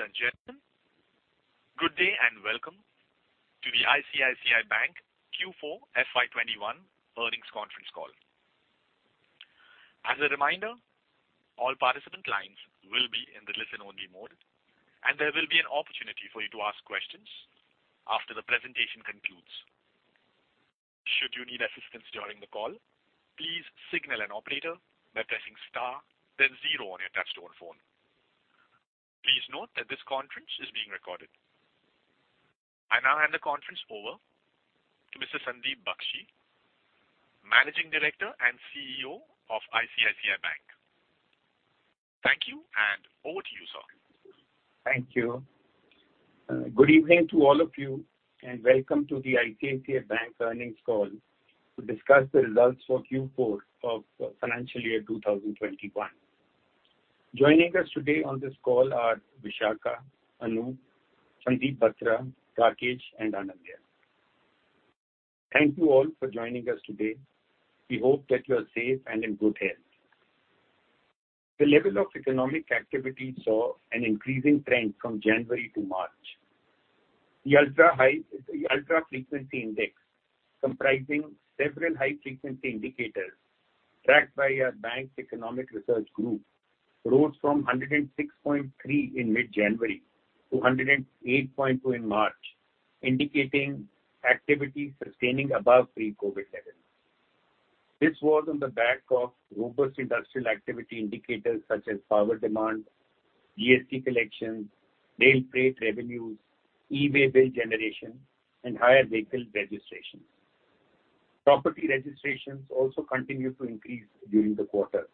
Ladies and gentlemen, good day and welcome to the ICICI Bank Q4 FY21 earnings conference call. As a reminder, all participant lines will be in the listen-only mode, and there will be an opportunity for you to ask questions after the presentation concludes. Should you need assistance during the call, please signal an operator by pressing star, then zero on your touch-tone phone. Please note that this conference is being recorded. I now hand the conference over to Mr. Sandeep Bakhshi, Managing Director and CEO of ICICI Bank. Thank you, and over to you, sir. Thank you. Good evening to all of you, and welcome to the ICICI Bank earnings call to discuss the results for Q4 of financial year 2021. Joining us today on this call are Vishakha, Anup, Sandeep Batra, Rakesh, and Anindya. Thank you all for joining us today. We hope that you are safe and in good health. The level of economic activity saw an increasing trend from January to March. The Ultra Frequency Index, comprising several high-frequency indicators tracked by our bank's economic research group, rose from 106.3 in mid-January to 108.2 in March, indicating activity sustaining above pre-COVID levels. This was on the back of robust industrial activity indicators such as power demand, GST collections, rail freight revenues, e-way bill generation, and higher vehicle registrations. Property registrations also continued to increase during the quarter.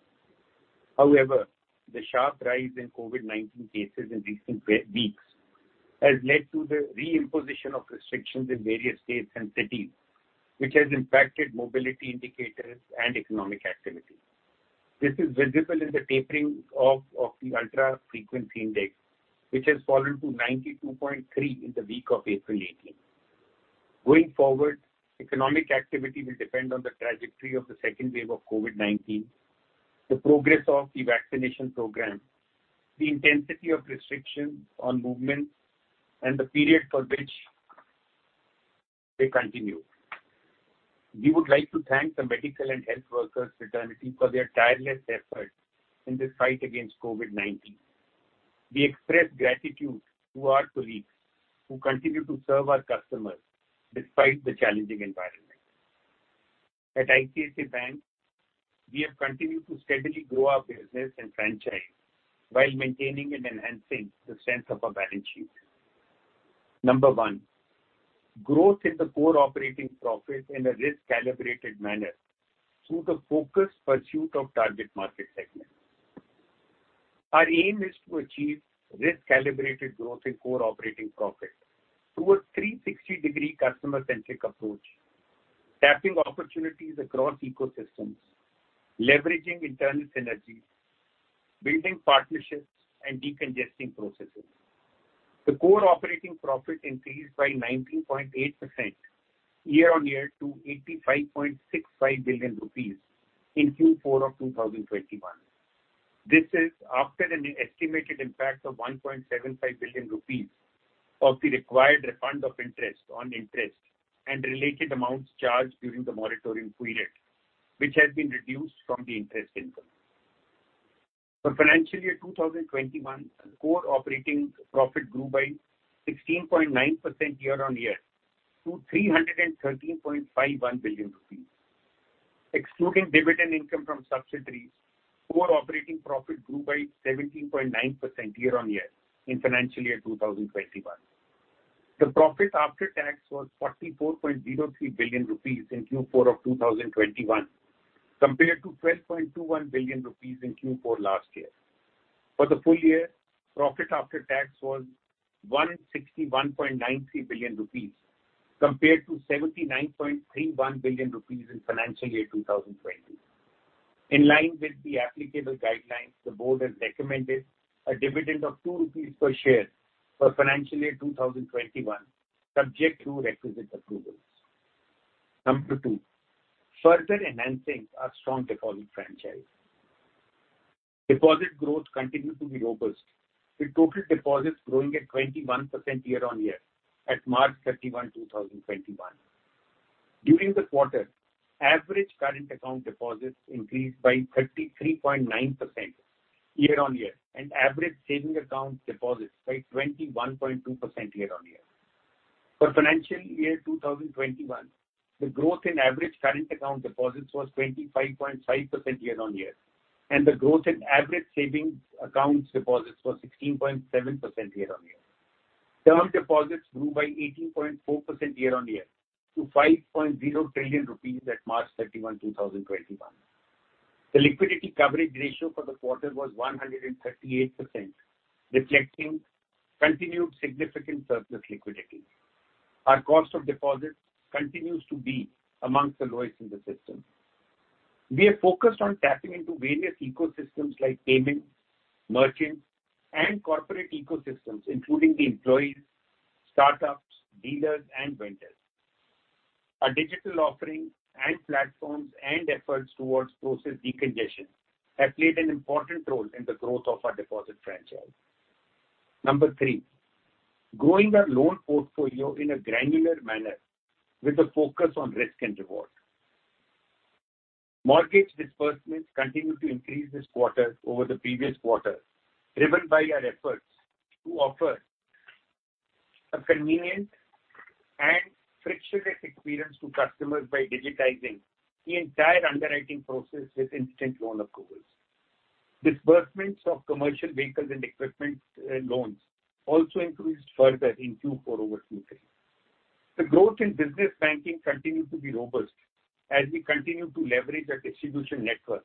However, the sharp rise in COVID-19 cases in recent weeks has led to the re-imposition of restrictions in various states and cities, which has impacted mobility indicators and economic activity. This is visible in the tapering of the Ultra Frequency Index, which has fallen to 92.3 in the week of April 18. Going forward, economic activity will depend on the trajectory of the second wave of COVID-19, the progress of the vaccination program, the intensity of restrictions on movement, and the period for which they continue. We would like to thank the medical and health workers' fraternity for their tireless effort in the fight against COVID-19. We express gratitude to our colleagues who continue to serve our customers despite the challenging environment. At ICICI Bank, we have continued to steadily grow our business and franchise while maintaining and enhancing the strength of our balance sheet. Number one, growth in the core operating profit in a risk-calibrated manner through the focused pursuit of target market segments. Our aim is to achieve risk-calibrated growth in core operating profit through a 360-degree customer-centric approach, tapping opportunities across ecosystems, leveraging internal synergies, building partnerships, and decongesting processes. The core operating profit increased by 19.8% year-on-year to 85.65 billion rupees in Q4 of 2021. This is after an estimated impact of 1.75 billion rupees of the required refund of interest on interest and related amounts charged during the moratorium period, which has been reduced from the interest income. For financial year 2021, core operating profit grew by 16.9% year-on-year to 313.51 billion rupees. Excluding dividend income from subsidiaries, core operating profit grew by 17.9% year-on-year in financial year 2021. The profit after tax was 44.03 billion rupees in Q4 of 2021, compared to 12.21 billion rupees in Q4 last year. For the full year, profit after tax was 161.93 billion rupees, compared to 79.31 billion rupees in financial year 2020. In line with the applicable guidelines, the board has recommended a dividend of 2 rupees per share for financial year 2021, subject to requisite approvals. Number two, further enhancing our strong deposit franchise. Deposit growth continued to be robust, with total deposits growing at 21% year-on-year at March 31, 2021. During the quarter, average current account deposits increased by 33.9% year-on-year and average saving account deposits by 21.2% year-on-year. For financial year 2021, the growth in average current account deposits was 25.5% year-on-year, and the growth in average saving account deposits was 16.7% year-on-year. Term deposits grew by 18.4% year-on-year to 5.0 trillion rupees at March 31, 2021. The liquidity coverage ratio for the quarter was 138%, reflecting continued significant surplus liquidity. Our cost of deposits continues to be among the lowest in the system. We have focused on tapping into various ecosystems like payments, merchants, and corporate ecosystems, including the employees, startups, dealers, and vendors. Our digital offering and platforms and efforts towards process decongestion have played an important role in the growth of our deposit franchise. Number three, growing our loan portfolio in a granular manner with a focus on risk and reward. Mortgage disbursements continue to increase this quarter over the previous quarter, driven by our efforts to offer a convenient and frictionless experience to customers by digitizing the entire underwriting process with instant loan approvals. Disbursements of commercial vehicles and equipment loans also increased further in Q4 over Q3. The growth in business banking continued to be robust as we continue to leverage our distribution network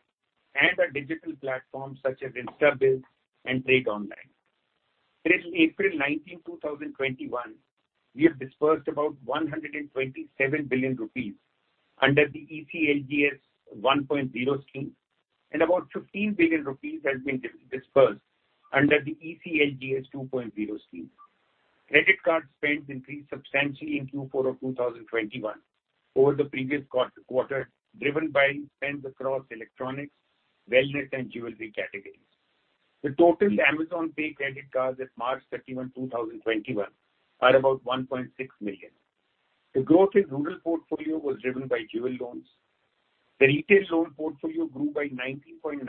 and our digital platforms such as InstaBIZ and Trade Online. Till April 19, 2021, we have disbursed about 127 billion rupees under the ECLGS 1.0 scheme, and about 15 billion rupees have been disbursed under the ECLGS 2.0 scheme. Credit card spends increased substantially in Q4 of 2021 over the previous quarter, driven by spends across electronics, wellness, and jewelry categories. The total Amazon Pay credit cards at March 31, 2021, are about 1.6 million. The growth in rural portfolio was driven by jewel loans. The retail loan portfolio grew by 19.9%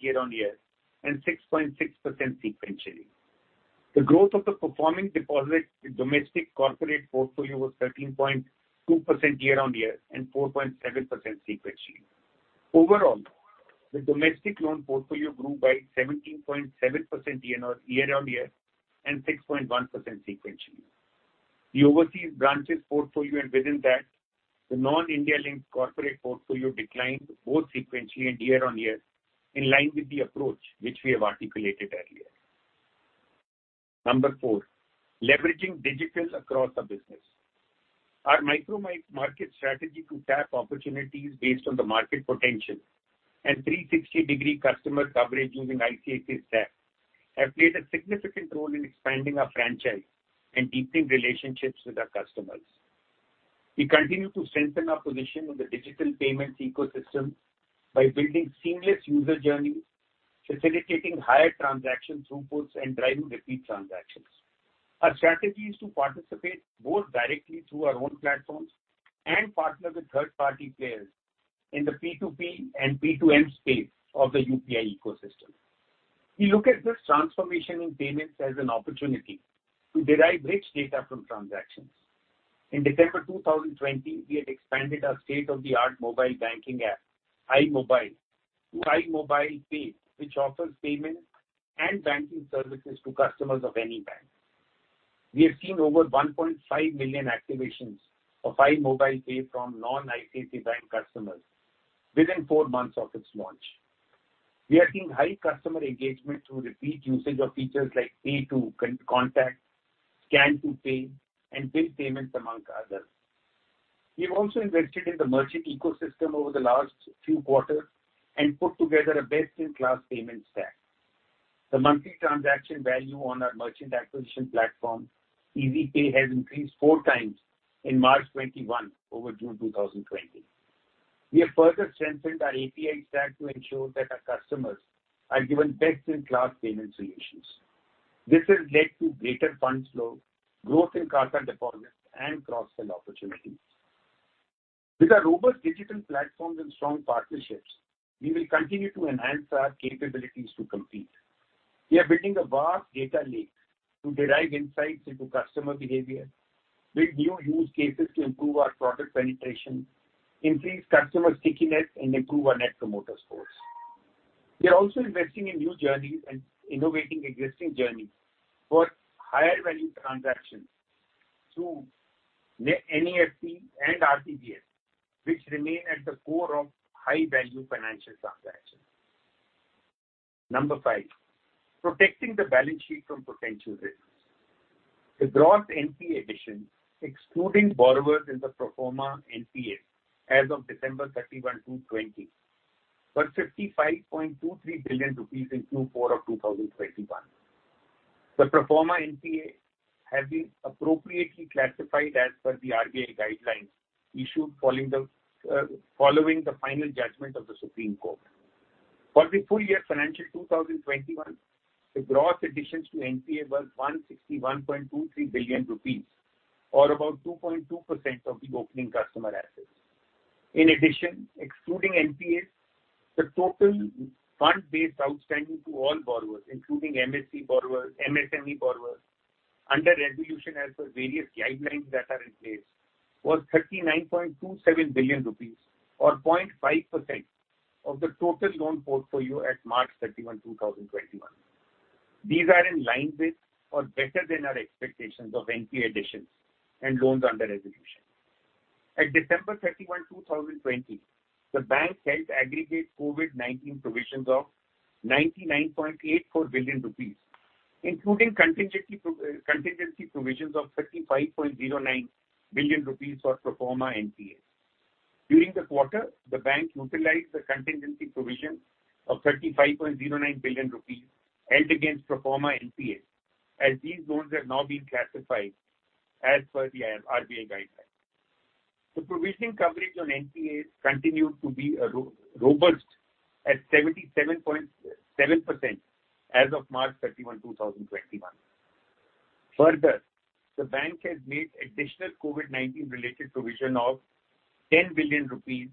year-on-year and 6.6% sequentially. The growth of the performing deposit domestic corporate portfolio was 13.2% year-on-year and 4.7% sequentially. Overall, the domestic loan portfolio grew by 17.7% year-on-year and 6.1% sequentially. The overseas branches portfolio, and within that, the non-India linked corporate portfolio declined both sequentially and year-on-year, in line with the approach which we have articulated earlier. Number four, leveraging digital across our business. Our micro-market strategy to tap opportunities based on the market potential and 360-degree customer coverage using ICICI STACK have played a significant role in expanding our franchise and deepening relationships with our customers. We continue to strengthen our position in the digital payments ecosystem by building seamless user journeys, facilitating higher transaction throughputs, and driving repeat transactions. Our strategy is to participate both directly through our own platforms and partner with third-party players in the P2P and P2M space of the UPI ecosystem. We look at this transformation in payments as an opportunity to derive rich data from transactions. In December 2020, we had expanded our state-of-the-art mobile banking app, iMobile, to iMobile Pay, which offers payment and banking services to customers of any bank. We have seen over 1.5 million activations of iMobile Pay from non-ICICI Bank customers within four months of its launch. We are seeing high customer engagement through repeat usage of features like Pay to Contact, Scan to Pay, and Bill Payments, among others. We have also invested in the merchant ecosystem over the last few quarters and put together a best-in-class payment stack. The monthly transaction value on our merchant acquisition platform, Eazypay, has increased four times in March 2021 over June 2020. We have further strengthened our API stack to ensure that our customers are given best-in-class payment solutions. This has led to greater funds flow, growth in CASA deposits, and cross-sell opportunities. With our robust digital platforms and strong partnerships, we will continue to enhance our capabilities to compete. We are building a vast data lake to derive insights into customer behavior, build new use cases to improve our product penetration, increase customer stickiness, and improve our net promoter scores. We are also investing in new journeys and innovating existing journeys for higher-value transactions through NEFT and RTGS, which remain at the core of high-value financial transactions. Number five, protecting the balance sheet from potential risks. The gross NPA addition, excluding borrowers in the pro forma NPA as of December 31, 2020, was 55.23 billion rupees in Q4 of 2021. The pro forma NPA has been appropriately classified as per the RBI guidelines issued following the final judgment of the Supreme Court. For the full year financial 2021, the gross additions to NPA were 161.23 billion rupees, or about 2.2% of the opening customer assets. In addition, excluding NPAs, the total fund-based outstanding to all borrowers, including MSE borrowers, MSME borrowers, under resolution as per various guidelines that are in place, was 39.27 billion rupees, or 0.5% of the total loan portfolio at March 31, 2021. These are in line with or better than our expectations of NPA additions and loans under resolution. At December 31, 2020, the bank held aggregate COVID-19 provisions of 99.84 billion rupees, including contingency provisions of 35.09 billion rupees for pro forma NPAs. During the quarter, the bank utilized the contingency provision of 35.09 billion rupees held against pro forma NPAs, as these loans have now been classified as per the RBI guidelines. The provisioning coverage on NPAs continued to be robust at 77.7% as of March 31, 2021. Further, the bank has made additional COVID-19 related provision of 10 billion rupees,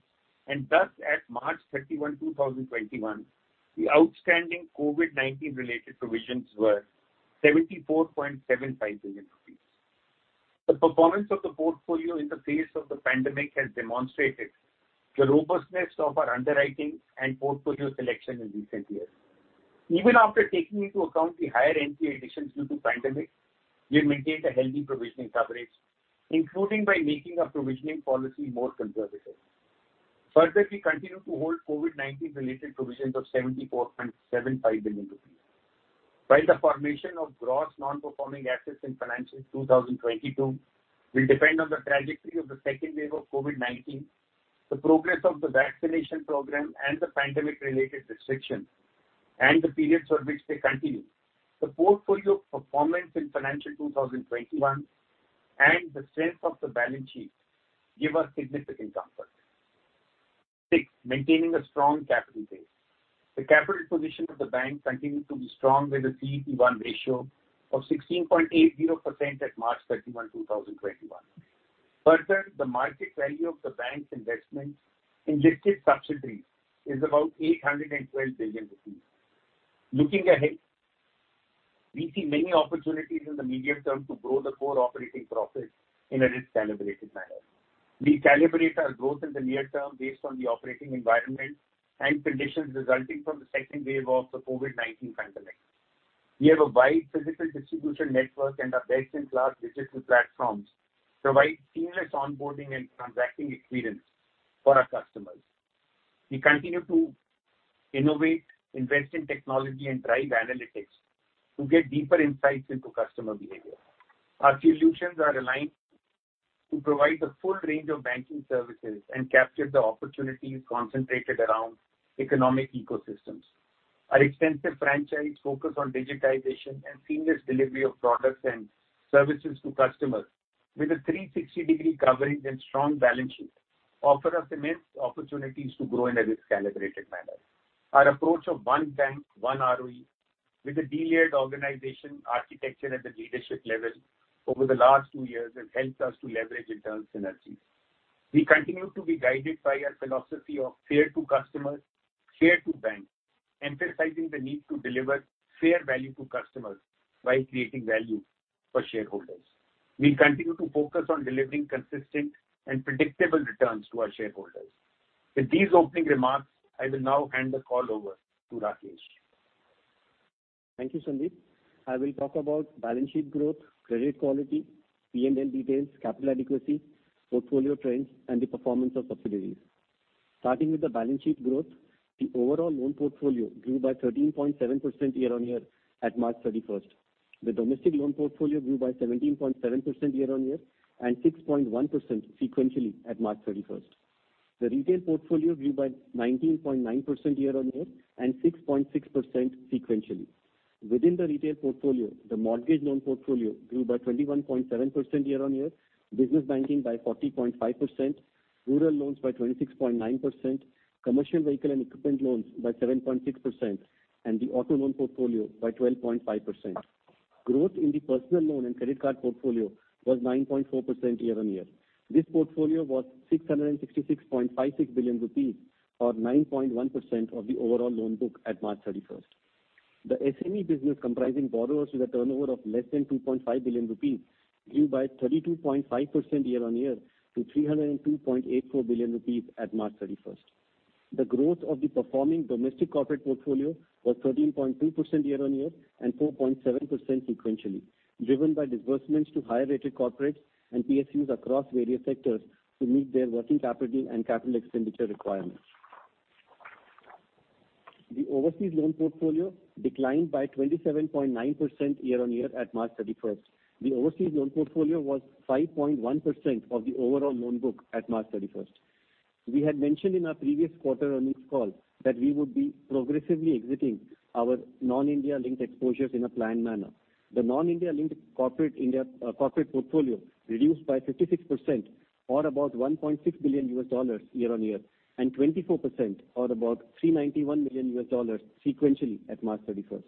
and thus at March 31, 2021, the outstanding COVID-19 related provisions were 74.75 billion rupees. The performance of the portfolio in the face of the pandemic has demonstrated the robustness of our underwriting and portfolio selection in recent years. Even after taking into account the higher NPA additions due to the pandemic, we have maintained a healthy provisioning coverage, including by making our provisioning policy more conservative. Further, we continue to hold COVID-19 related provisions of 74.75 billion rupees. While the formation of gross non-performing assets in financial 2022 will depend on the trajectory of the second wave of COVID-19, the progress of the vaccination program and the pandemic-related restrictions, and the periods for which they continue, the portfolio performance in financial 2021 and the strength of the balance sheet give us significant comfort. Sixth, maintaining a strong capital base. The capital position of the bank continued to be strong with a CET1 ratio of 16.80% at March 31, 2021. Further, the market value of the bank's investments in listed subsidiaries is about 812 billion rupees. Looking ahead, we see many opportunities in the medium term to grow the core operating profit in a risk-calibrated manner. We calibrate our growth in the near term based on the operating environment and conditions resulting from the second wave of the COVID-19 pandemic. We have a wide physical distribution network, and our best-in-class digital platforms provide seamless onboarding and transacting experience for our customers. We continue to innovate, invest in technology, and drive analytics to get deeper insights into customer behavior. Our solutions are aligned to provide the full range of banking services and capture the opportunities concentrated around economic ecosystems. Our extensive franchise focus on digitization and seamless delivery of products and services to customers with a 360-degree coverage and strong balance sheet offers us immense opportunities to grow in a risk-calibrated manner. Our approach of one bank, one ROE with a de-layered organization architecture at the leadership level over the last two years has helped us to leverage internal synergies. We continue to be guided by our philosophy of fair to customers, fair to banks, emphasizing the need to deliver fair value to customers while creating value for shareholders. We continue to focus on delivering consistent and predictable returns to our shareholders. With these opening remarks, I will now hand the call over to Rakesh. Thank you, Sandeep. I will talk about balance sheet growth, credit quality, P&L details, capital adequacy, portfolio trends, and the performance of subsidiaries. Starting with the balance sheet growth, the overall loan portfolio grew by 13.7% year-on-year at March 31. The domestic loan portfolio grew by 17.7% year-on-year and 6.1% sequentially at March 31. The retail portfolio grew by 19.9% year-on-year and 6.6% sequentially. Within the retail portfolio, the mortgage loan portfolio grew by 21.7% year-on-year, business banking by 40.5%, rural loans by 26.9%, commercial vehicle and equipment loans by 7.6%, and the auto loan portfolio by 12.5%. Growth in the personal loan and credit card portfolio was 9.4% year-on-year. This portfolio was 666.56 billion rupees, or 9.1% of the overall loan book at March 31. The SME business comprising borrowers with a turnover of less than 2.5 billion rupees grew by 32.5% year-on-year to 302.84 billion rupees at March 31. The growth of the performing domestic corporate portfolio was 13.2% year-on-year and 4.7% sequentially, driven by disbursements to higher-rated corporates and PSUs across various sectors to meet their working capital and capital expenditure requirements. The overseas loan portfolio declined by 27.9% year-on-year at March 31. The overseas loan portfolio was 5.1% of the overall loan book at March 31. We had mentioned in our previous quarter earnings call that we would be progressively exiting our non-India linked exposures in a planned manner. The non-India linked corporate portfolio reduced by 56%, or about $1.6 billion year-on-year, and 24%, or about $391 million sequentially at March 31.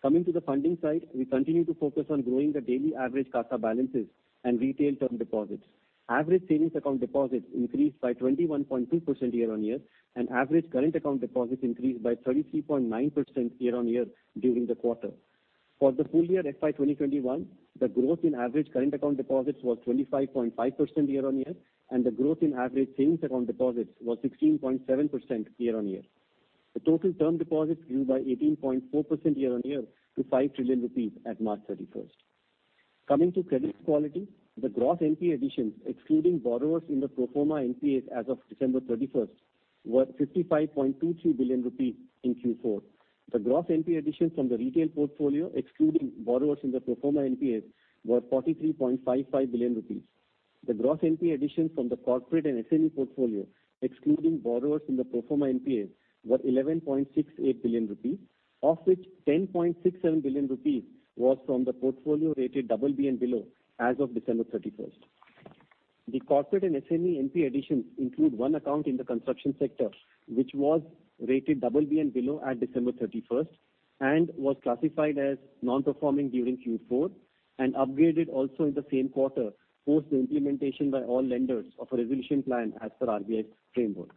Coming to the funding side, we continue to focus on growing the daily average CASA balances and retail term deposits. Average savings account deposits increased by 21.2% year-on-year, and average current account deposits increased by 33.9% year-on-year during the quarter. For the full year FY2021, the growth in average current account deposits was 25.5% year-on-year, and the growth in average savings account deposits was 16.7% year-on-year. The total term deposits grew by 18.4% year-on-year to 5 trillion rupees at March 31. Coming to credit quality, the gross NPA additions, excluding borrowers in the pro forma NPAs as of December 31, were 55.23 billion rupees in Q4. The gross NPA additions from the retail portfolio, excluding borrowers in the pro forma NPAs, were 43.55 billion rupees. The gross NPA additions from the corporate and SME portfolio, excluding borrowers in the pro forma NPAs, were 11.68 billion rupees, of which 10.67 billion rupees was from the portfolio rated BB and below as of December 31. The corporate and SME NPA additions include one account in the construction sector, which was rated BB and below at December 31 and was classified as non-performing during Q4 and upgraded also in the same quarter post the implementation by all lenders of a resolution plan as per RBI's framework.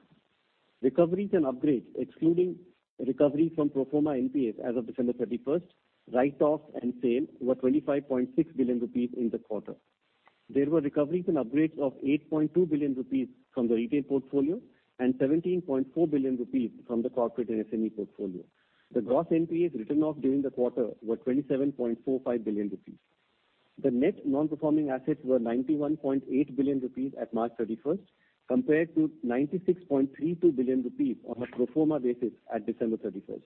Recoveries and upgrades, excluding recovery from pro forma NPAs as of December 31, write-offs and sales were 25.6 billion rupees in the quarter. There were recoveries and upgrades of 8.2 billion rupees from the retail portfolio and 17.4 billion rupees from the corporate and SME portfolio. The gross NPAs written off during the quarter were 27.45 billion rupees. The net non-performing assets were 91.8 billion rupees at March 31, compared to 96.32 billion rupees on a pro forma basis at December 31.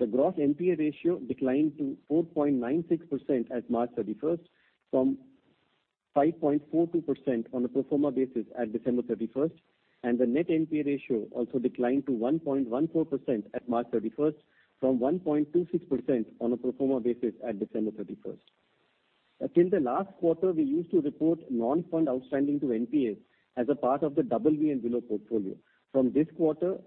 The gross NPA ratio declined to 4.96% at March 31 from 5.42% on a pro forma basis at December 31, and the net NPA ratio also declined to 1.14% at March 31 from 1.26% on a pro forma basis at December 31. Until the last quarter, we used to report non-fund outstanding to NPAs as a part of the BB and below portfolio. From this quarter,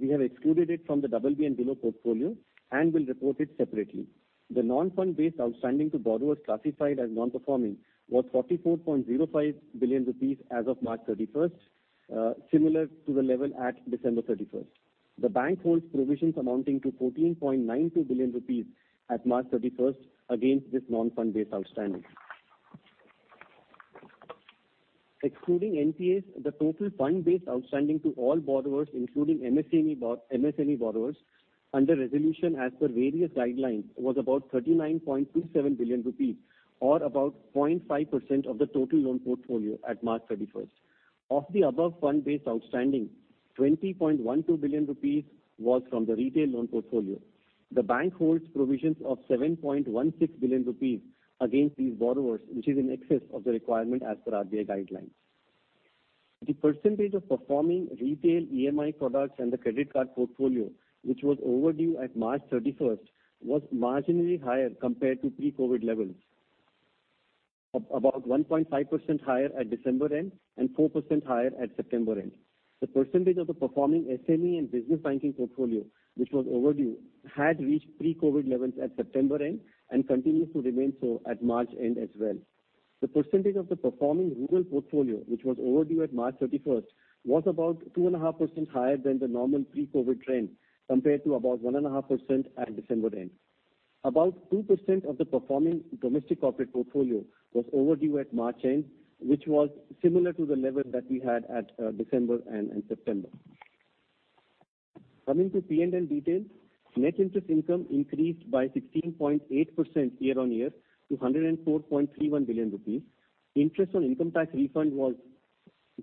we have excluded it from the BB and below portfolio and will report it separately. The non-fund-based outstanding to borrowers classified as non-performing was 44.05 billion rupees as of March 31, similar to the level at December 31. The bank holds provisions amounting to 14.92 billion rupees at March 31 against this non-fund-based outstanding. Excluding NPAs, the total fund-based outstanding to all borrowers, including MSME borrowers under resolution as per various guidelines, was about 39.27 billion rupees, or about 0.5% of the total loan portfolio at March 31. Of the above fund-based outstanding, 20.12 billion rupees was from the retail loan portfolio. The bank holds provisions of 7.16 billion rupees against these borrowers, which is in excess of the requirement as per RBI guidelines. The percentage of performing retail EMI products and the credit card portfolio, which was overdue at March 31, was marginally higher compared to pre-COVID levels, about 1.5% higher at December end and 4% higher at September end. The percentage of the performing SME and business banking portfolio, which was overdue, had reached pre-COVID levels at September end and continues to remain so at March end as well. The percentage of the performing rural portfolio, which was overdue at March 31, was about 2.5% higher than the normal pre-COVID trend compared to about 1.5% at December end. About 2% of the performing domestic corporate portfolio was overdue at March end, which was similar to the level that we had at December and September. Coming to P&L details, net interest income increased by 16.8% year-on-year to 104.31 billion rupees. Interest on income tax refund was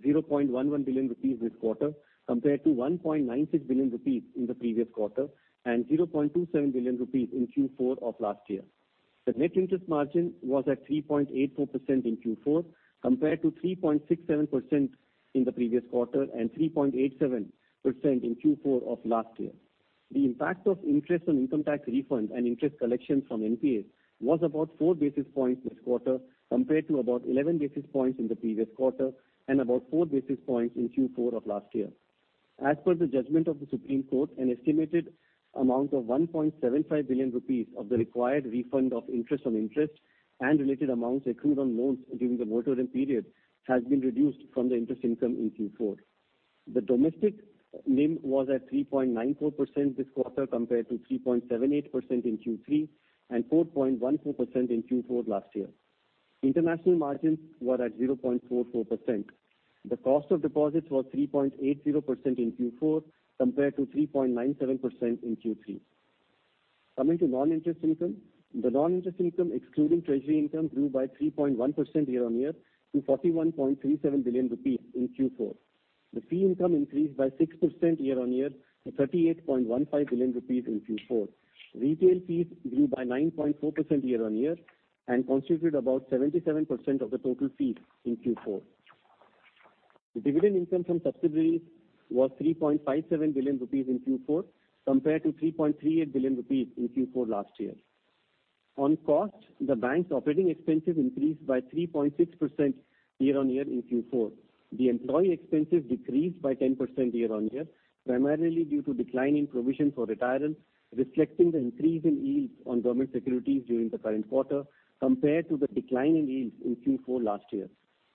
0.11 billion rupees this quarter compared to 1.96 billion rupees in the previous quarter and 0.27 billion rupees in Q4 of last year. The net interest margin was at 3.84% in Q4 compared to 3.67% in the previous quarter and 3.87% in Q4 of last year. The impact of interest on income tax refund and interest collections from NPAs was about four basis points this quarter compared to about 11 basis points in the previous quarter and about four basis points in Q4 of last year. As per the judgment of the Supreme Court, an estimated amount of 1.75 billion rupees of the required refund of interest on interest and related amounts accrued on loans during the moratorium period has been reduced from the interest income in Q4. The domestic NIM was at 3.94% this quarter compared to 3.78% in Q3 and 4.14% in Q4 last year. International margins were at 0.44%. The cost of deposits was 3.80% in Q4 compared to 3.97% in Q3. Coming to non-interest income, the non-interest income excluding treasury income grew by 3.1% year-on-year to 41.37 billion rupees in Q4. The fee income increased by 6% year-on-year to 38.15 billion rupees in Q4. Retail fees grew by 9.4% year-on-year and constituted about 77% of the total fees in Q4. Dividend income from subsidiaries was 3.57 billion rupees in Q4 compared to 3.38 billion rupees in Q4 last year. On cost, the bank's operating expenses increased by 3.6% year-on-year in Q4. The employee expenses decreased by 10% year-on-year, primarily due to a decline in provisions for retirement, reflecting the increase in yields on government securities during the current quarter compared to the decline in yields in Q4 last year.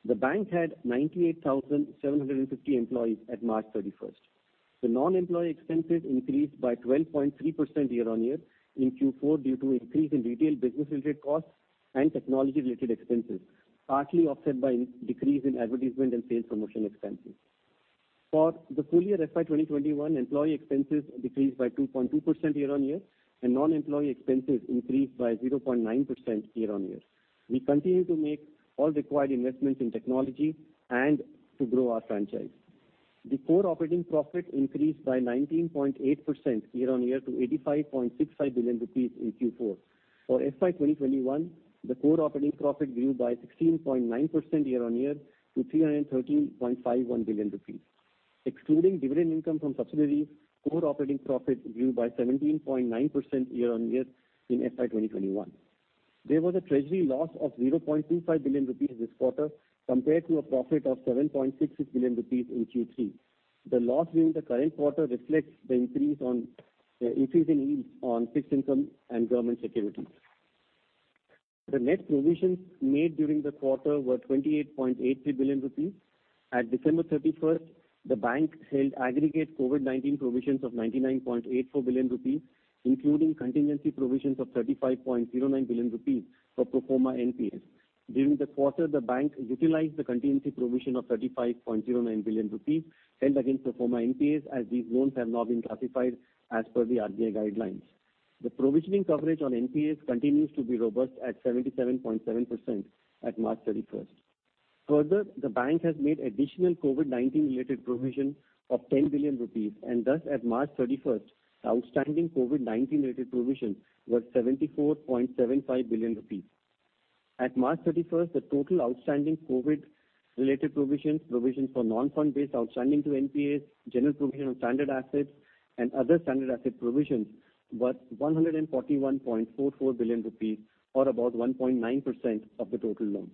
The bank had 98,750 employees at March 31. The non-employee expenses increased by 12.3% year-on-year in Q4 due to an increase in retail business-related costs and technology-related expenses, partly offset by a decrease in advertisement and sales promotion expenses. For the full year FY2021, employee expenses decreased by 2.2% year-on-year, and non-employee expenses increased by 0.9% year-on-year. We continue to make all required investments in technology and to grow our franchise. The core operating profit increased by 19.8% year-on-year to 85.65 billion rupees in Q4. For FY2021, the core operating profit grew by 16.9% year-on-year to 313.51 billion rupees. Excluding dividend income from subsidiaries, core operating profit grew by 17.9% year-on-year in FY2021. There was a treasury loss of 0.25 billion rupees this quarter compared to a profit of 7.66 billion rupees in Q3. The loss during the current quarter reflects the increase in yields on fixed income and government securities. The net provisions made during the quarter were 28.83 billion rupees. At December 31, the bank held aggregate COVID-19 provisions of 99.84 billion rupees, including contingency provisions of 35.09 billion rupees for pro forma NPAs. During the quarter, the bank utilized the contingency provision of 35.09 billion rupees held against pro forma NPAs, as these loans have now been classified as per the RBI guidelines. The provisioning coverage on NPAs continues to be robust at 77.7% at March 31. Further, the bank has made additional COVID-19-related provisions of 10 billion rupees, and thus, at March 31, outstanding COVID-19-related provisions were 74.75 billion rupees. At March 31, the total outstanding COVID-related provisions, provisions for non-fund-based outstanding to NPAs, general provision of standard assets, and other standard asset provisions were 141.44 billion rupees, or about 1.9% of the total loans.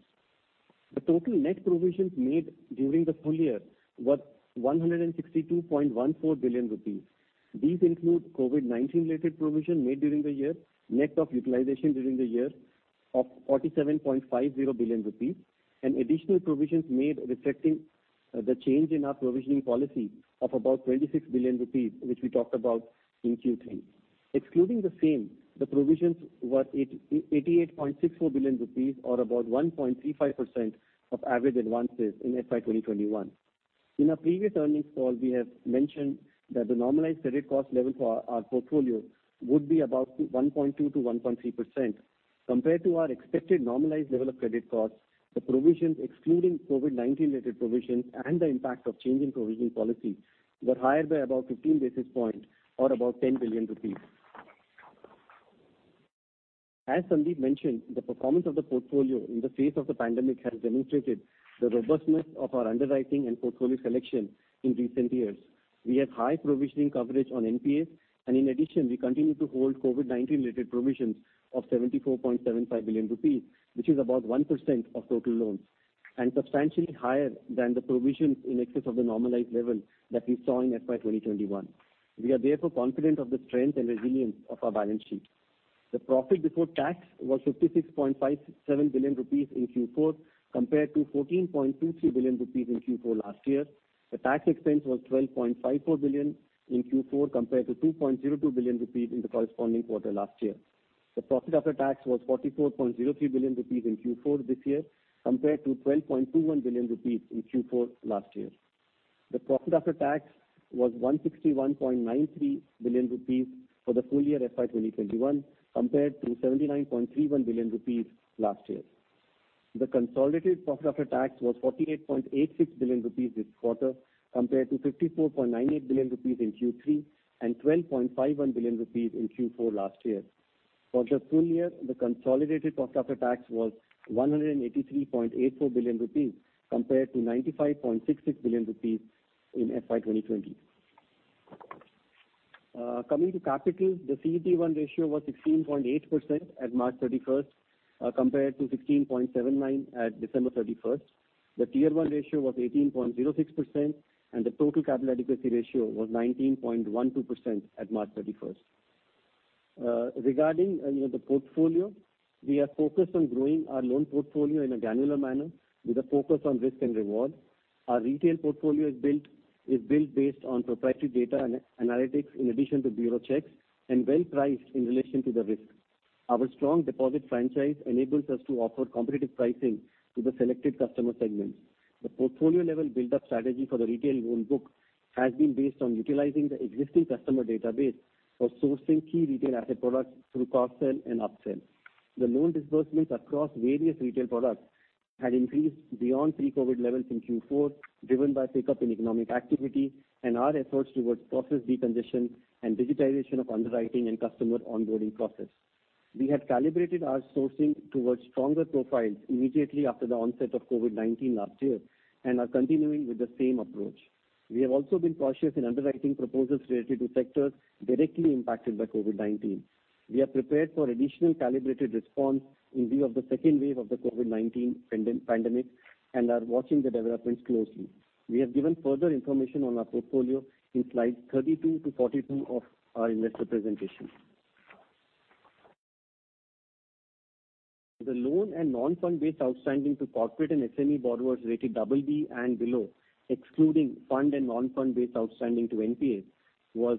The total net provisions made during the full year were 162.14 billion rupees. These include COVID-19-related provisions made during the year, net of utilization during the year, of 47.50 billion rupees, and additional provisions made reflecting the change in our provisioning policy of about 26 billion rupees, which we talked about in Q3. Excluding the same, the provisions were 88.64 billion rupees, or about 1.35% of average advances in FY2021. In our previous earnings call, we have mentioned that the normalized credit cost level for our portfolio would be about 1.2%-1.3%. Compared to our expected normalized level of credit costs, the provisions, excluding COVID-19-related provisions and the impact of changing provision policy, were higher by about 15 basis points, or about 10 billion rupees. As Sandeep mentioned, the performance of the portfolio in the face of the pandemic has demonstrated the robustness of our underwriting and portfolio selection in recent years. We have high provisioning coverage on NPAs, and in addition, we continue to hold COVID-19-related provisions of 74.75 billion rupees, which is about 1% of total loans, and substantially higher than the provisions in excess of the normalized level that we saw in FY2021. We are therefore confident of the strength and resilience of our balance sheet. The profit before tax was 56.57 billion rupees in Q4 compared to 14.23 billion rupees in Q4 last year. The tax expense was 12.54 billion in Q4 compared to 2.02 billion rupees in the corresponding quarter last year. The profit after tax was 44.03 billion rupees in Q4 this year compared to 12.21 billion rupees in Q4 last year. The profit after tax was 161.93 billion rupees for the full year FY2021 compared to 79.31 billion rupees last year. The consolidated profit after tax was 48.86 billion rupees this quarter compared to 54.98 billion rupees in Q3 and 12.51 billion rupees in Q4 last year. For the full year, the consolidated profit after tax was 183.84 billion rupees compared to 95.66 billion rupees in FY2020. Coming to capital, the CET1 ratio was 16.8% at March 31 compared to 16.79% at December 31. The Tier 1 ratio was 18.06%, and the total capital adequacy ratio was 19.12% at March 31. Regarding the portfolio, we have focused on growing our loan portfolio in a granular manner with a focus on risk and reward. Our retail portfolio is built based on proprietary data and analytics in addition to bureau checks and well-priced in relation to the risk. Our strong deposit franchise enables us to offer competitive pricing to the selected customer segments. The portfolio-level build-up strategy for the retail loan book has been based on utilizing the existing customer database for sourcing key retail asset products through cross sale and upsell. The loan disbursements across various retail products had increased beyond pre-COVID levels in Q4, driven by pickup in economic activity and our efforts towards process decongestion and digitization of underwriting and customer onboarding process. We have calibrated our sourcing towards stronger profiles immediately after the onset of COVID-19 last year and are continuing with the same approach. We have also been cautious in underwriting proposals related to sectors directly impacted by COVID-19. We are prepared for additional calibrated response in view of the second wave of the COVID-19 pandemic and are watching the developments closely. We have given further information on our portfolio in slides 32 to 42 of our investor presentation. The loan and non-fund-based outstanding to corporate and SME borrowers rated BB and below, excluding fund and non-fund-based outstanding to NPAs, was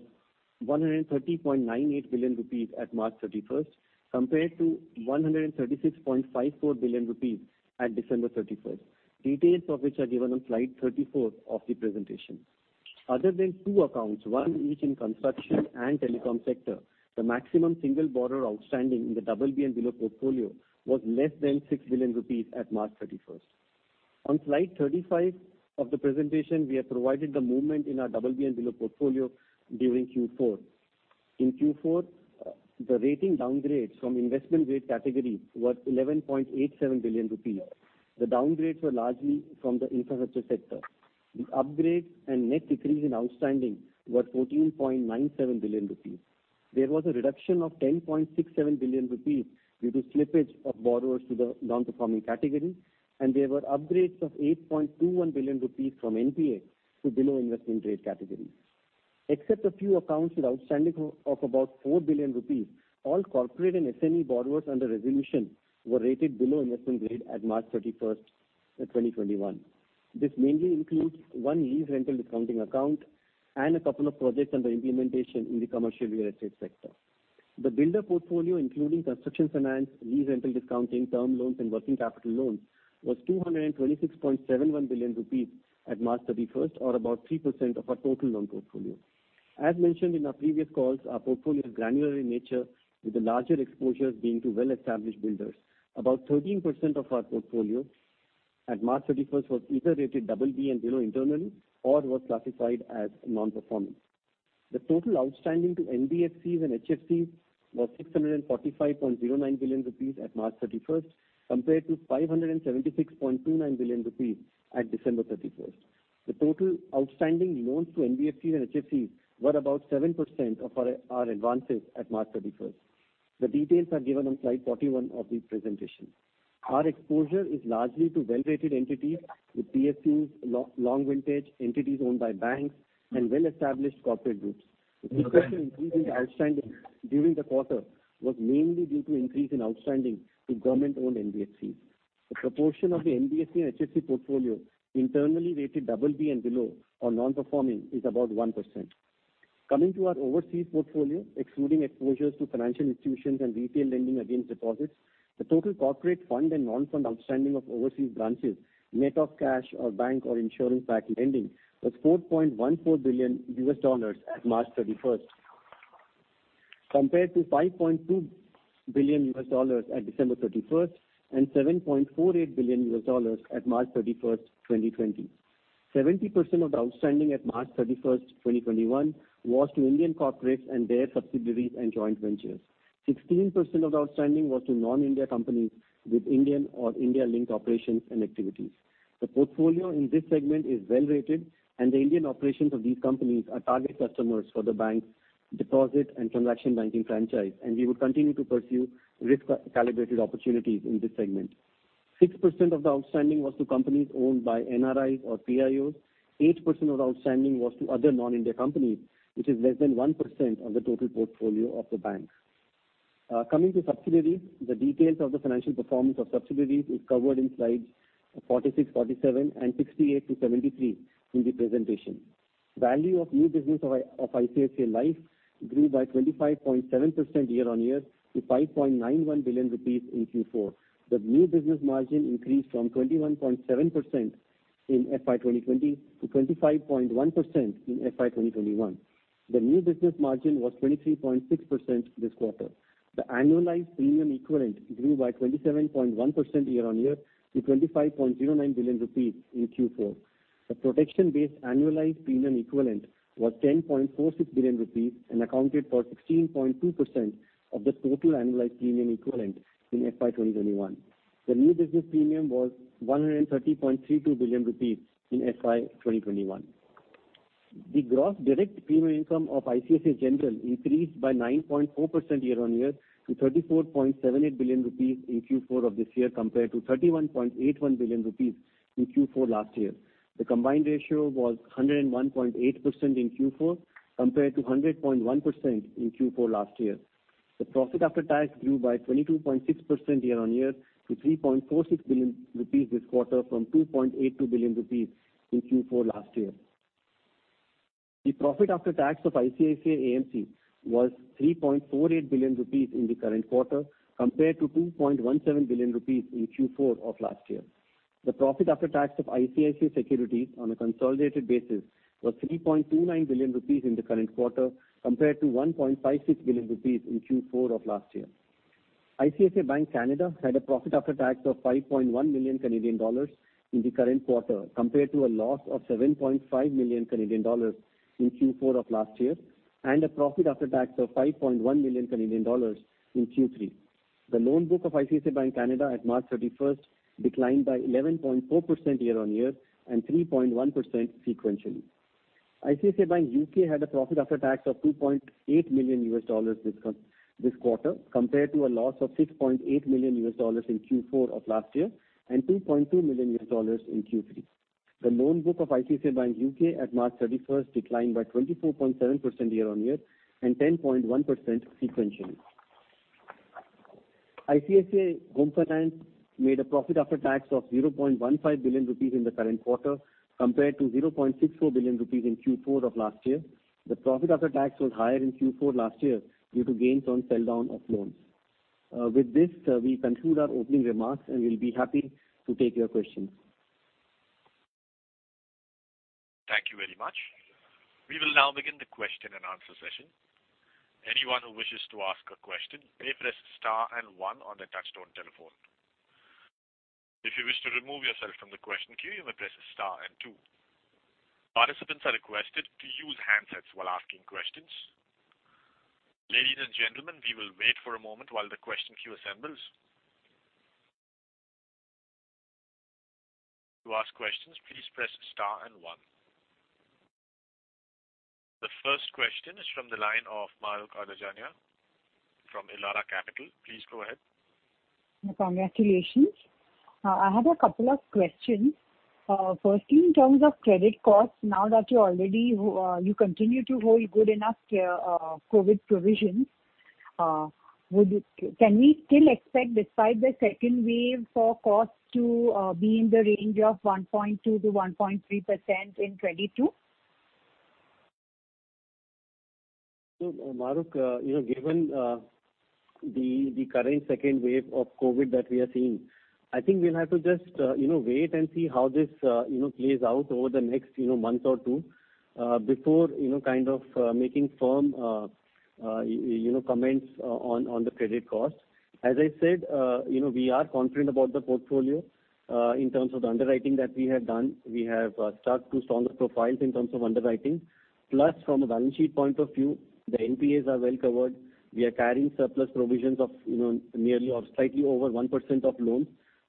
130.98 billion rupees at March 31 compared to 136.54 billion rupees at December 31, details of which are given on slide 34 of the presentation. Other than two accounts, one each in construction and telecom sector, the maximum single borrower outstanding in the BB and below portfolio was less than 6 billion rupees at March 31. On Slide 35 of the presentation, we have provided the movement in our BB and below portfolio during Q4. In Q4, the rating downgrades from investment-grade categories were 11.87 billion rupees. The downgrades were largely from the infrastructure sector. The upgrades and net decrease in outstanding were 14.97 billion rupees. There was a reduction of 10.67 billion rupees due to slippage of borrowers to the non-performing category, and there were upgrades of 8.21 billion rupees from NPAs to below investment-grade categories. Except a few accounts with outstanding of about 4 billion rupees, all corporate and SME borrowers under resolution were rated below investment-grade at March 31, 2021. This mainly includes one lease rental discounting account and a couple of projects under implementation in the commercial real estate sector. The builder portfolio, including construction finance, lease rental discounting, term loans, and working capital loans, was 226.71 billion rupees at March 31, or about 3% of our total loan portfolio. As mentioned in our previous calls, our portfolio is granular in nature, with the larger exposures being to well-established builders. About 13% of our portfolio at March 31 was either rated BB and below internally or was classified as non-performing. The total outstanding to NBFCs and HFCs was 645.09 billion rupees at March 31 compared to 576.29 billion rupees at December 31. The total outstanding loans to NBFCs and HFCs were about 7% of our advances at March 31. The details are given on slide 41 of the presentation. Our exposure is largely to well-rated entities with PSUs, long-vintage entities owned by banks, and well-established corporate groups. The special increase in the outstanding during the quarter was mainly due to an increase in outstanding to government-owned NBFCs. The proportion of the NBFC and HFC portfolio internally rated BB and below or non-performing is about 1%. Coming to our overseas portfolio, excluding exposures to financial institutions and retail lending against deposits, the total corporate, fund, and non-fund outstanding of overseas branches, net of cash or bank or insurance-backed lending, was $4.14 billion at March 31, compared to $5.2 billion at December 31 and $7.48 billion at March 31, 2020. 70% of the outstanding at March 31, 2021, was to Indian corporates and their subsidiaries and joint ventures. 16% of the outstanding was to non-India companies with Indian or India-linked operations and activities. The portfolio in this segment is well-rated, and the Indian operations of these companies are target customers for the bank's deposit and transaction banking franchise, and we would continue to pursue risk-calibrated opportunities in this segment. 6% of the outstanding was to companies owned by NRIs or PIOs. 8% of the outstanding was to other non-India companies, which is less than 1% of the total portfolio of the bank. Coming to subsidiaries, the details of the financial performance of subsidiaries are covered in slides 46, 47, and 68-73 in the presentation. Value of new business of ICICI Life grew by 25.7% year-on-year to 5.91 billion rupees in Q4. The new business margin increased from 21.7% in FY2020 to 25.1% in FY2021. The new business margin was 23.6% this quarter. The annualized premium equivalent grew by 27.1% year-on-year to 25.09 billion rupees in Q4. The protection-based annualized premium equivalent was 10.46 billion rupees and accounted for 16.2% of the total annualized premium equivalent in FY2021. The new business premium was 130.32 billion rupees in FY2021. The gross direct premium income of ICICI General increased by 9.4% year-on-year to 34.78 billion rupees in Q4 of this year compared to 31.81 billion rupees in Q4 last year. The combined ratio was 101.8% in Q4 compared to 100.1% in Q4 last year. The profit after tax grew by 22.6% year-on-year to 3.46 billion rupees this quarter from 2.82 billion rupees in Q4 last year. The profit after tax of ICICI AMC was 3.48 billion rupees in the current quarter compared to 2.17 billion rupees in Q4 of last year. The profit after tax of ICICI Securities on a consolidated basis was 3.29 billion rupees in the current quarter compared to 1.56 billion rupees in Q4 of last year. ICICI Bank Canada had a profit after tax of 5.1 million Canadian dollars in the current quarter compared to a loss of 7.5 million Canadian dollars in Q4 of last year and a profit after tax of 5.1 million Canadian dollars in Q3. The loan book of ICICI Bank Canada at March 31 declined by 11.4% year-on-year and 3.1% sequentially. ICICI Bank UK had a profit after tax of $2.8 million this quarter compared to a loss of $6.8 million in Q4 of last year and $2.2 million in Q3. The loan book of ICICI Bank UK at March 31 declined by 24.7% year-on-year and 10.1% sequentially. ICICI Home Finance made a profit after tax of 0.15 billion rupees in the current quarter compared to 0.64 billion rupees in Q4 of last year. The profit after tax was higher in Q4 last year due to gains on sell-down of loans. With this, we conclude our opening remarks, and we'll be happy to take your questions. Thank you very much. We will now begin the question-and-answer session. Anyone who wishes to ask a question may press star and one on the touch-tone telephone. If you wish to remove yourself from the question queue, you may press star and two. Participants are requested to use handsets while asking questions. Ladies and gentlemen, we will wait for a moment while the question queue assembles. To ask questions, please press star and one. The first question is from the line of Mahrukh Adajania from Elara Capital. Please go ahead. Congratulations. I have a couple of questions. Firstly, in terms of credit costs, now that you continue to hold good enough COVID provisions, can we still expect, despite the second wave, for costs to be in the range of 1.2%-1.3% in 2022? Mahrukh, given the current second wave of COVID that we are seeing, I think we'll have to just wait and see how this plays out over the next month or two before kind of making firm comments on the credit costs. As I said, we are confident about the portfolio. In terms of the underwriting that we have done, we have started to stronger profiles in terms of underwriting. Plus, from a balance sheet point of view, the NPAs are well covered. We are carrying surplus provisions of nearly or slightly over 1% of loans.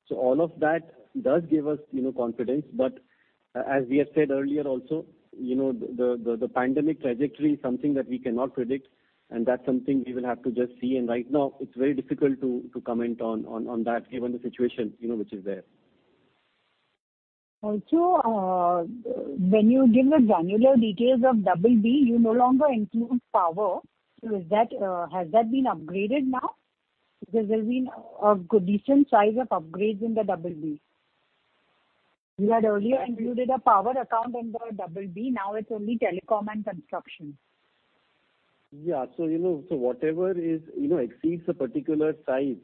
So all of that does give us confidence. But as we have said earlier also, the pandemic trajectory is something that we cannot predict, and that's something we will have to just see. And right now, it's very difficult to comment on that given the situation which is there. Also, when you give the granular details of BB, you no longer include power. Has that been upgraded now? Because there's been a decent size of upgrades in the BB. You had earlier included a power account under BB. Now it's only telecom and construction. Yeah. So whatever exceeds a particular size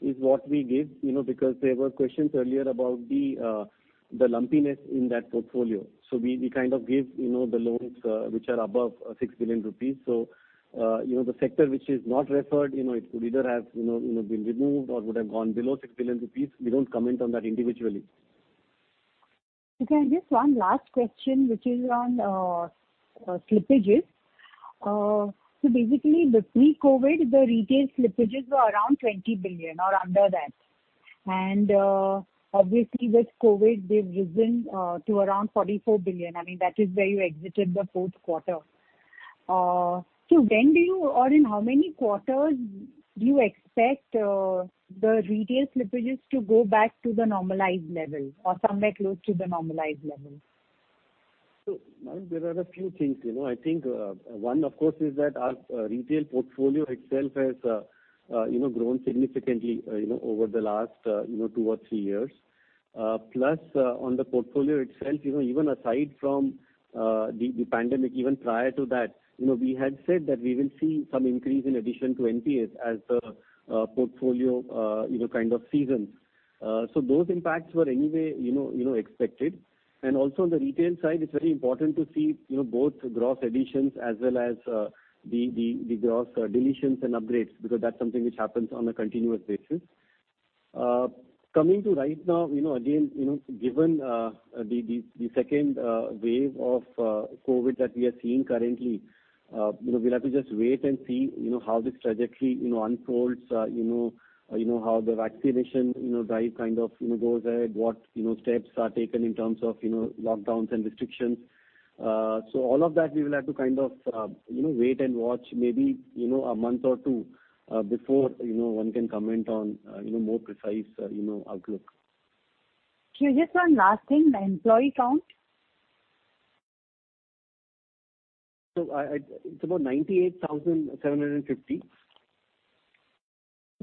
is what we give because there were questions earlier about the lumpiness in that portfolio. So we kind of give the loans which are above six billion rupees. So the sector which is not referred, it could either have been removed or would have gone below six billion rupees. We don't comment on that individually. Okay. I guess one last question, which is on slippages. So basically, pre-COVID, the retail slippages were around 20 billion or under that. And obviously, with COVID, they've risen to around 44 billion. I mean, that is where you exited the fourth quarter. So when do you or in how many quarters do you expect the retail slippages to go back to the normalized level or somewhere close to the normalized level? There are a few things. I think one, of course, is that our retail portfolio itself has grown significantly over the last two or three years. Plus, on the portfolio itself, even aside from the pandemic, even prior to that, we had said that we will see some increase in addition to NPAs as the portfolio kind of seasons. So those impacts were anyway expected. And also, on the retail side, it's very important to see both gross additions as well as the gross deletions and upgrades because that's something which happens on a continuous basis. Coming to right now, again, given the second wave of COVID that we are seeing currently, we'll have to just wait and see how this trajectory unfolds, how the vaccination drive kind of goes ahead, what steps are taken in terms of lockdowns and restrictions. So all of that, we will have to kind of wait and watch maybe a month or two before one can comment on a more precise outlook. Curious one last thing, the employee count? So it's about 98,750.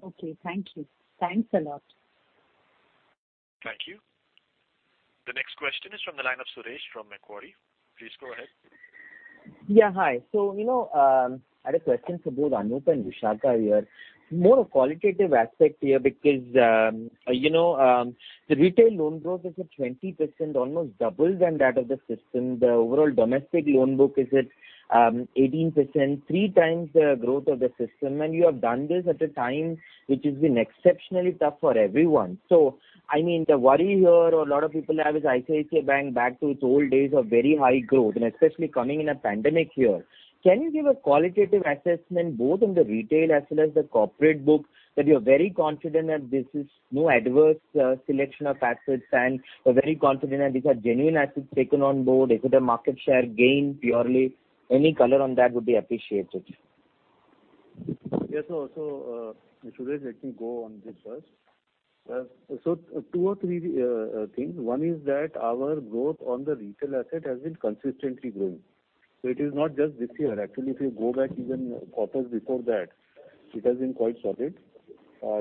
Okay. Thank you. Thanks a lot. Thank you. The next question is from the line of Suresh from Macquarie. Please go ahead. Yeah. Hi. So I have a question for both Anup and Vishakha here. More a qualitative aspect here because the retail loan growth is at 20%, almost double than that of the system. The overall domestic loan book is at 18%, three times the growth of the system, and you have done this at a time which has been exceptionally tough for everyone, so I mean, the worry here or a lot of people have is ICICI Bank back to its old days of very high growth, and especially coming in a pandemic year. Can you give a qualitative assessment both in the retail as well as the corporate book that you're very confident that this is no adverse selection of assets and very confident that these are genuine assets taken on board? Is it a market share gain purely? Any color on that would be appreciated. Yeah. So Suresh, let me go on this first, so two or three things. One is that our growth on the retail asset has been consistently growing. So it is not just this year. Actually, if you go back even quarters before that, it has been quite solid.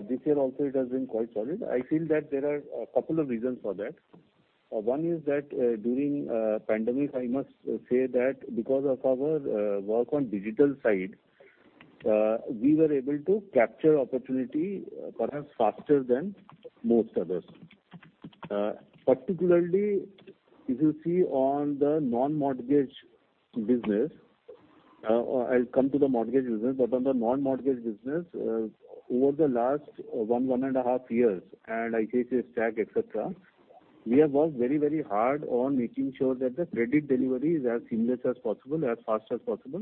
This year also, it has been quite solid. I feel that there are a couple of reasons for that. One is that during pandemic, I must say that because of our work on digital side, we were able to capture opportunity perhaps faster than most others. Particularly, if you see on the non-mortgage business, I'll come to the mortgage business, but on the non-mortgage business, over the last one, one and a half years, and ICICI STACK, etc., we have worked very, very hard on making sure that the credit delivery is as seamless as possible, as fast as possible.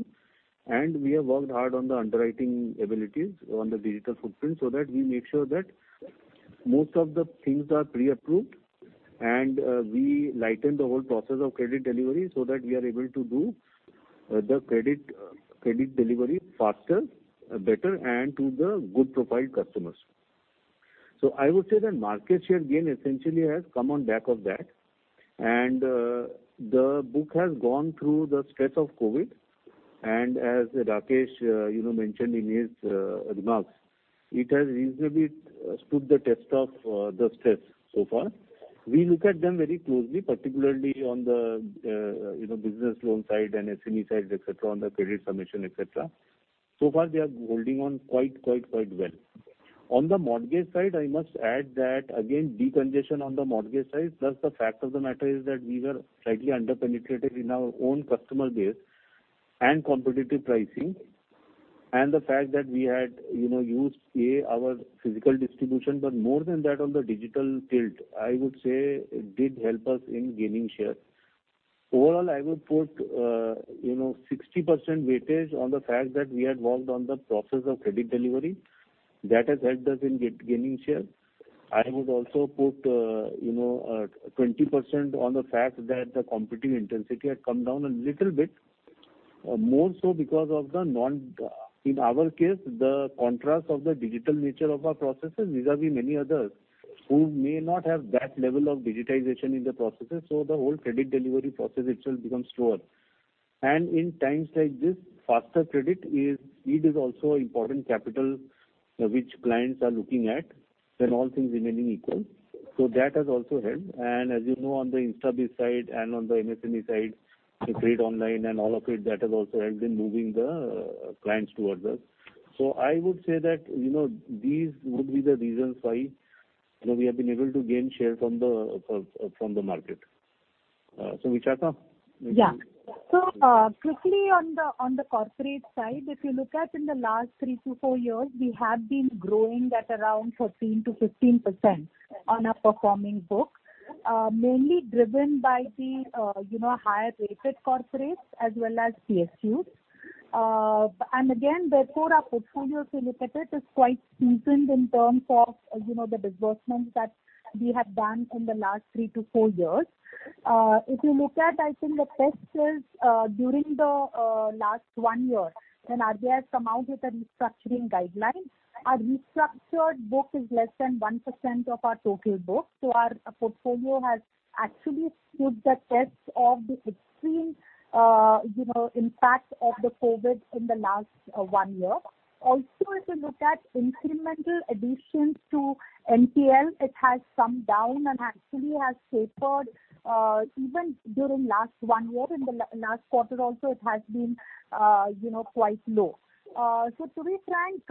And we have worked hard on the underwriting abilities on the digital footprint so that we make sure that most of the things are pre-approved, and we lighten the whole process of credit delivery so that we are able to do the credit delivery faster, better, and to the good-profiled customers. So I would say that market share gain essentially has come on back of that. And the book has gone through the stress of COVID. And as Rakesh mentioned in his remarks, it has reasonably stood the test of the stress so far. We look at them very closely, particularly on the business loan side and SME side, etc., on the credit submission, etc. So far, they are holding on quite, quite, quite well. On the mortgage side, I must add that, again, decongestion on the mortgage side. Plus, the fact of the matter is that we were slightly under-penetrated in our own customer base and competitive pricing. And the fact that we had used our physical distribution, but more than that, on the digital tilt, I would say it did help us in gaining share. Overall, I would put 60% weightage on the fact that we had worked on the process of credit delivery. That has helped us in gaining share. I would also put 20% on the fact that the competitive intensity had come down a little bit, more so because of the, in our case, the contrast of the digital nature of our processes vis-à-vis many others who may not have that level of digitization in the processes. So the whole credit delivery process itself becomes slower. And in times like this, faster credit is also an important capital which clients are looking at when all things remain equal. So that has also helped. And as you know, on the InstaBIZ side and on the MSME side, the Credit Online and all of it, that has also helped in moving the clients towards us. So I would say that these would be the reasons why we have been able to gain share from the market. So Vishakha, anything? Yeah. So quickly on the corporate side, if you look at in the last three to four years, we have been growing at around 13%-15% on our performing book, mainly driven by the higher-rated corporates as well as PSUs. And again, therefore, our portfolio, if you look at it, is quite seasoned in terms of the disbursements that we have done in the last three to four years. If you look at, I think, the tests during the last one year when RBI has come out with the restructuring guidelines, our restructured book is less than 1% of our total book. So our portfolio has actually stood the test of the extreme impact of the COVID in the last one year. Also, if you look at incremental additions to MPL, it has come down and actually has tapered even during the last one year. In the last quarter also, it has been quite low. So to be frank,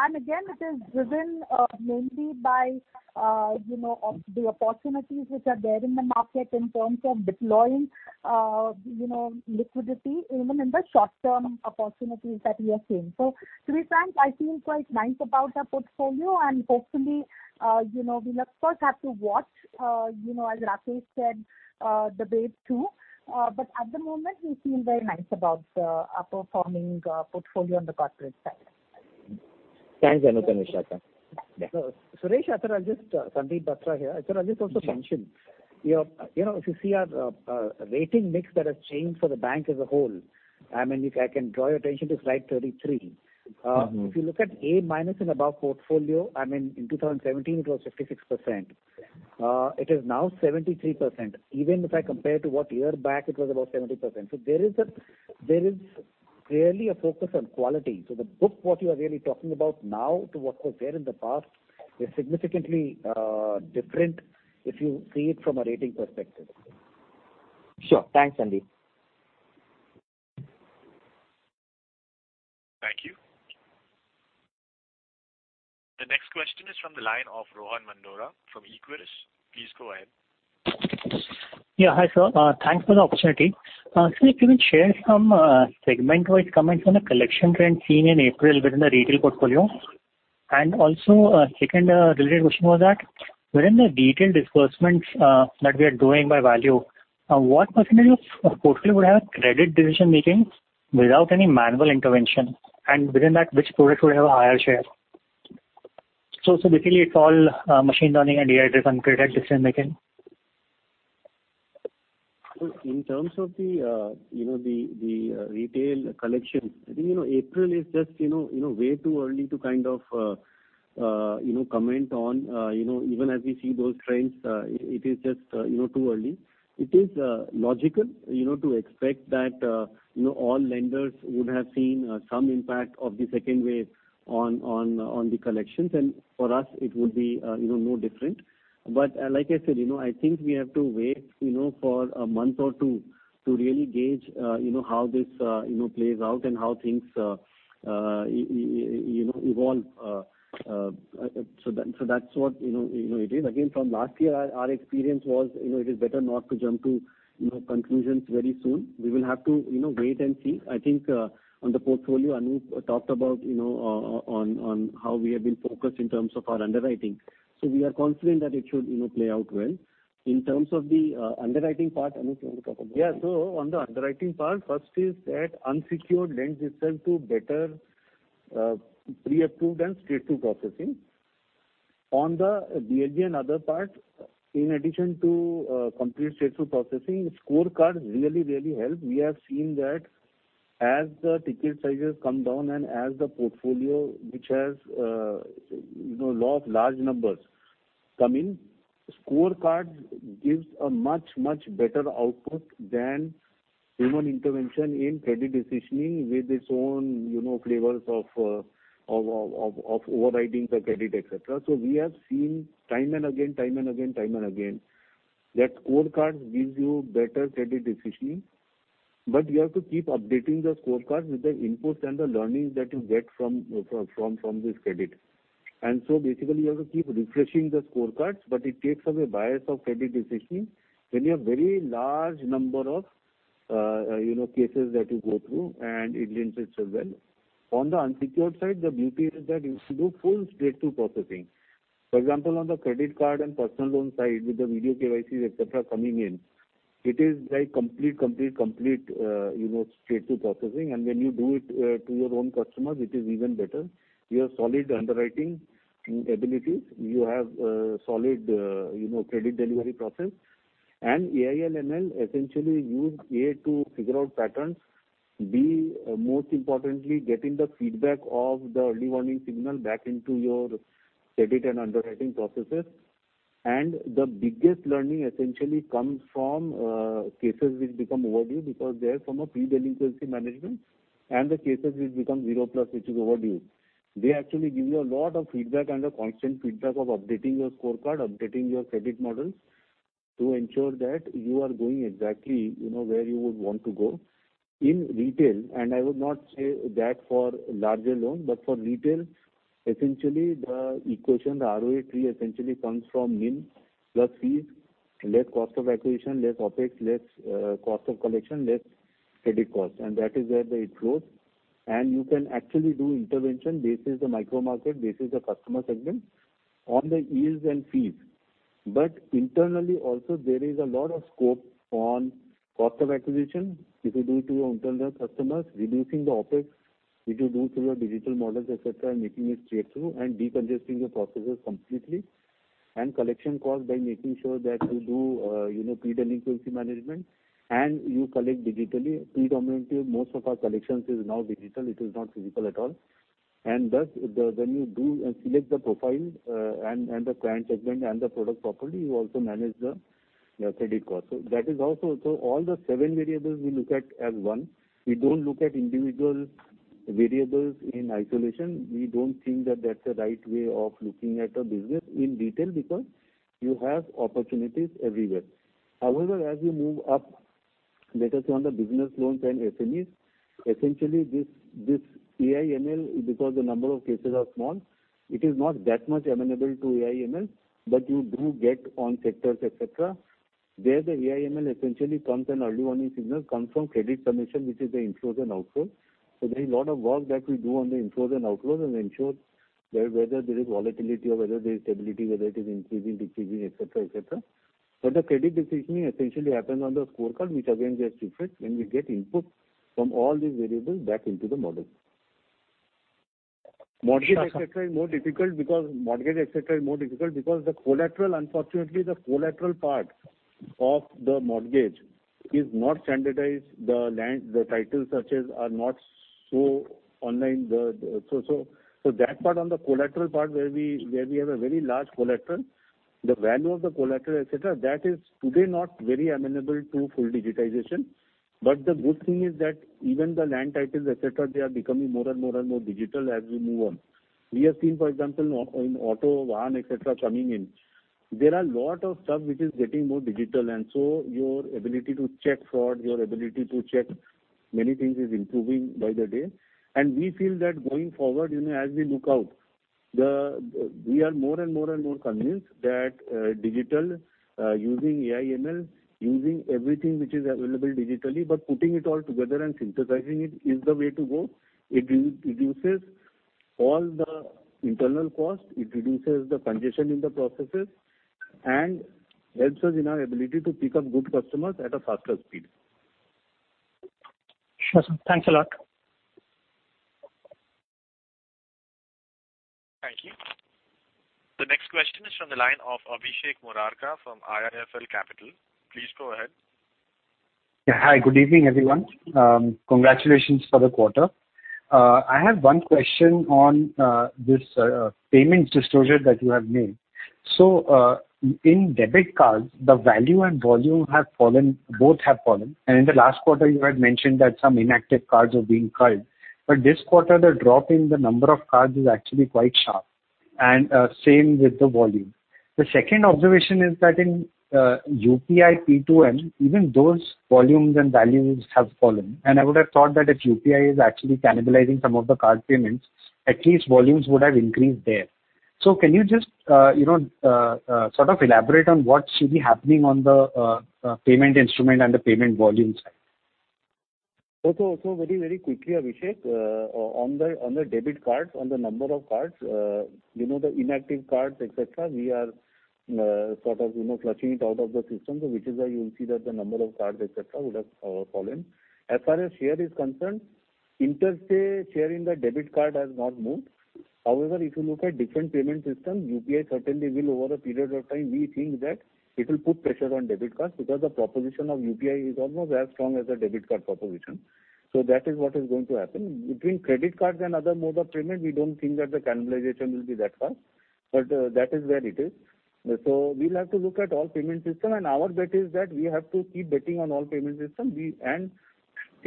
and again, it is driven mainly by the opportunities which are there in the market in terms of deploying liquidity even in the short-term opportunities that we are seeing. So to be frank, I feel quite nice about our portfolio. And hopefully, we'll of course have to watch, as Rakesh said, the wave two. But at the moment, we feel very nice about our performing portfolio on the corporate side. Thanks, Anup and Vishakha. Yeah. Suresh, I'll just, Sandeep Bakhshi here. I just want to mention, if you see our rating mix that has changed for the bank as a whole, I mean, I can draw your attention to slide 33. If you look at A-minus in our portfolio, I mean, in 2017, it was 56%. It is now 73%. Even if I compare to one year back, it was about 70%. So there is clearly a focus on quality. So the book, what you are really talking about now to what was there in the past is significantly different if you see it from a rating perspective. Sure. Thanks, Sandeep. Thank you. The next question is from the line of Rohan Mandora from Equirus. Please go ahead. Yeah. Hi, sir. Thanks for the opportunity. So if you can share some segment-wise comments on the collection trend seen in April within the retail portfolio? And also, second related question was that within the digital disbursements that we are doing by value, what percentage of portfolio would have credit decision-making without any manual intervention? And within that, which products would have a higher share? So basically, it's all machine learning and AI-driven credit decision-making. In terms of the retail collection, I think April is just way too early to kind of comment on. Even as we see those trends, it is just too early. It is logical to expect that all lenders would have seen some impact of the second wave on the collections. For us, it would be no different. But like I said, I think we have to wait for a month or two to really gauge how this plays out and how things evolve. That's what it is. Again, from last year, our experience was it is better not to jump to conclusions very soon. We will have to wait and see. I think on the portfolio, Anup talked about on how we have been focused in terms of our underwriting. So we are confident that it should play out well. In terms of the underwriting part, Anup, you want to talk about? Yeah. So on the underwriting part, first is that unsecured lends itself to better pre-approved and straight-through processing. On the BLG and other part, in addition to complete straight-through processing, scorecards really, really help. We have seen that as the ticket sizes come down and as the portfolio, which has a lot of large numbers come in, scorecards gives a much, much better output than human intervention in credit decisioning with its own flavors of overriding the credit, etc. So we have seen time and again, time and again, time and again that scorecards gives you better credit decisioning. But you have to keep updating the scorecards with the inputs and the learnings that you get from this credit. And so basically, you have to keep refreshing the scorecards, but it takes away bias of credit decisioning when you have a very large number of cases that you go through, and it lends itself well. On the unsecured side, the beauty is that if you do full straight-through processing, for example, on the credit card and personal loan side with the video KYCs, etc., coming in, it is like complete, complete, complete straight-through processing. And when you do it to your own customers, it is even better. You have solid underwriting abilities. You have solid credit delivery process. And AI and ML essentially use A to figure out patterns, B, most importantly, getting the feedback of the early warning signal back into your credit and underwriting processes. And the biggest learning essentially comes from cases which become overdue because they are from a pre-delinquency management and the cases which become zero plus, which is overdue. They actually give you a lot of feedback and a constant feedback of updating your scorecard, updating your credit models to ensure that you are going exactly where you would want to go in retail, and I would not say that for larger loans, but for retail, essentially, the equation, the ROA tree essentially comes from NIM plus fees, less cost of acquisition, less OpEx, less cost of collection, less credit cost, and that is where it grows, and you can actually do intervention based on the micro market, based on the customer segment, on the yields and fees, but internally, also, there is a lot of scope on cost of acquisition if you do it to your internal customers, reducing the OpEx if you do it through your digital models, etc., and making it straight-through and decongesting your processes completely. And collection cost by making sure that you do pre-delinquency management and you collect digitally. Predominantly, most of our collections is now digital. It is not physical at all. And thus, when you do select the profile and the client segment and the product properly, you also manage the credit cost. So that is also. So all the seven variables we look at as one. We don't look at individual variables in isolation. We don't think that that's the right way of looking at a business in retail because you have opportunities everywhere. However, as you move up, let us say on the business loans and SMEs, essentially, this AI/ML, because the number of cases are small, it is not that much amenable to AI/ML, but you do get on sectors, etc., where the AI/ML essentially comes and early warning signal comes from credit submission, which is the inflows and outflows, so there is a lot of work that we do on the inflows and outflows and ensure whether there is volatility or whether there is stability, whether it is increasing, decreasing, etc., etc., but the credit decisioning essentially happens on the scorecard, which again gets refreshed when we get input from all these variables back into the model. Mortgage, etc., is more difficult because the collateral, unfortunately, the collateral part of the mortgage is not standardized. The title searches are not so online. So that part on the collateral part where we have a very large collateral, the value of the collateral, etc., that is today not very amenable to full digitization. But the good thing is that even the land titles, etc., they are becoming more and more and more digital as we move on. We have seen, for example, in auto, Vahan, etc., coming in. There are a lot of stuff which is getting more digital. And so your ability to check fraud, your ability to check many things is improving by the day. And we feel that going forward, as we look out, we are more and more and more convinced that digital using AI/ML, using everything which is available digitally, but putting it all together and synthesizing it is the way to go. It reduces all the internal cost. It reduces the congestion in the processes and helps us in our ability to pick up good customers at a faster speed. Sure, sir. Thanks a lot. Thank you. The next question is from the line of Abhishek Murarka from IIFL Capital. Please go ahead. Yeah. Hi, good evening, everyone. Congratulations for the quarter. I have one question on this payments disclosure that you have made, so in debit cards, the value and volume have fallen, both have fallen, and in the last quarter, you had mentioned that some inactive cards were being culled, but this quarter, the drop in the number of cards is actually quite sharp, and same with the volume. The second observation is that in UPI, P2M, even those volumes and values have fallen. I would have thought that if UPI is actually cannibalizing some of the card payments, at least volumes would have increased there. So can you just sort of elaborate on what should be happening on the payment instrument and the payment volume side? Also, very, very quickly, Abhishek, on the debit cards, on the number of cards, the inactive cards, etc., we are sort of culling it out of the system, which is why you'll see that the number of cards, etc., would have fallen. As far as share is concerned, interstate share in the debit card has not moved. However, if you look at different payment systems, UPI certainly will, over a period of time, we think that it will put pressure on debit cards because the proposition of UPI is almost as strong as the debit card proposition. So that is what is going to happen. Between credit cards and other modes of payment, we don't think that the cannibalization will be that fast, but that is where it is, so we'll have to look at all payment systems, and our bet is that we have to keep betting on all payment systems, and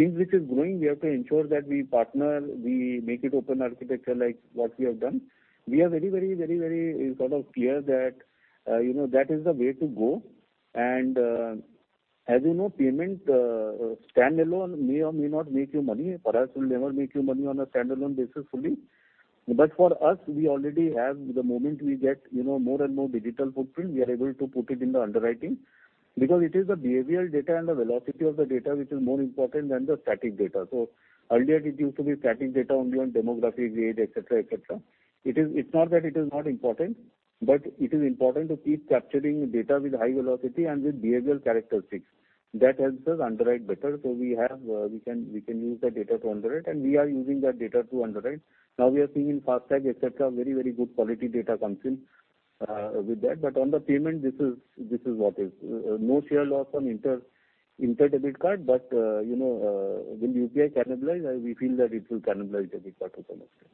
things which are growing, we have to ensure that we partner, we make it open architecture like what we have done. We are very, very, very, very sort of clear that that is the way to go, and as you know, payment standalone may or may not make you money. For us, it will never make you money on a standalone basis fully. But for us, we already have the moment we get more and more digital footprint, we are able to put it in the underwriting because it is the behavioral data and the velocity of the data which is more important than the static data, so earlier, it used to be static data only on demographic grade, etc., etc. It's not that it is not important, but it is important to keep capturing data with high velocity and with behavioral characteristics. That helps us underwrite better, so we can use that data to underwrite, and we are using that data to underwrite. Now we are seeing in FASTag, etc., very, very good quality data comes in with that, but on the payment, this is what is. No share loss on inter-debit card, but when UPI cannibalize, we feel that it will cannibalize debit card to some extent.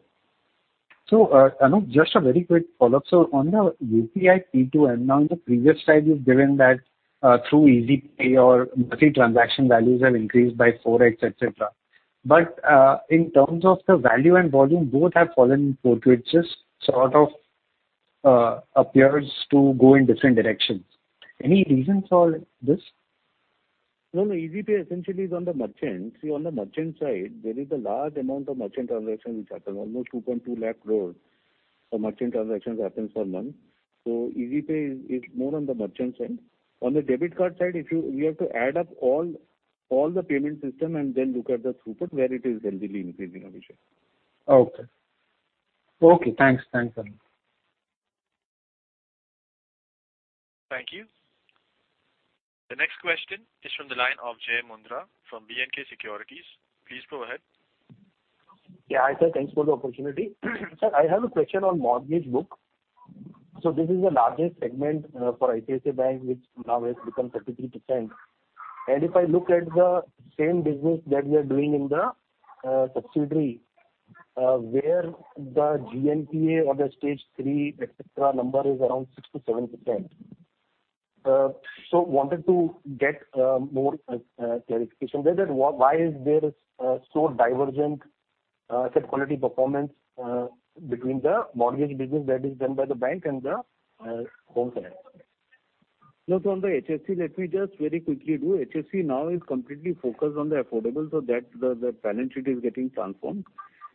So, Anup, just a very quick follow-up. So on the UPI P2M, now in the previous slide, you've given that through Eazypay, your monthly transaction values have increased by 4x, etc. But in terms of the value and volume, both have fallen forward, which just sort of appears to go in different directions. Any reason for this? No, no. Eazypay essentially is on the merchant side. On the merchant side, there is a large amount of merchant transactions, which happens almost 2.2 lakh crores of merchant transactions happen per month. So Eazypay is more on the merchant side. On the debit card side, we have to add up all the payment system and then look at the throughput where it is heavily increasing, Abhishek. Okay. Okay. Thanks. Thanks, Anup. Thank you. The next question is from the line of Jai Mundhra from B&K Securities. Please go ahead. Yeah. Hi, sir. Thanks for the opportunity. Sir, I have a question on mortgage book. So this is the largest segment for ICICI Bank, which now has become 33%. And if I look at the same business that we are doing in the subsidiary, where the GNPA or the stage 3, etc., number is around 6%-7%. So wanted to get more clarification there. Why is there so divergent asset quality performance between the mortgage business that is done by the bank and the home finance? Look, on the HFC, let me just very quickly do. HFC now is completely focused on the affordable. So the loan book is getting transformed.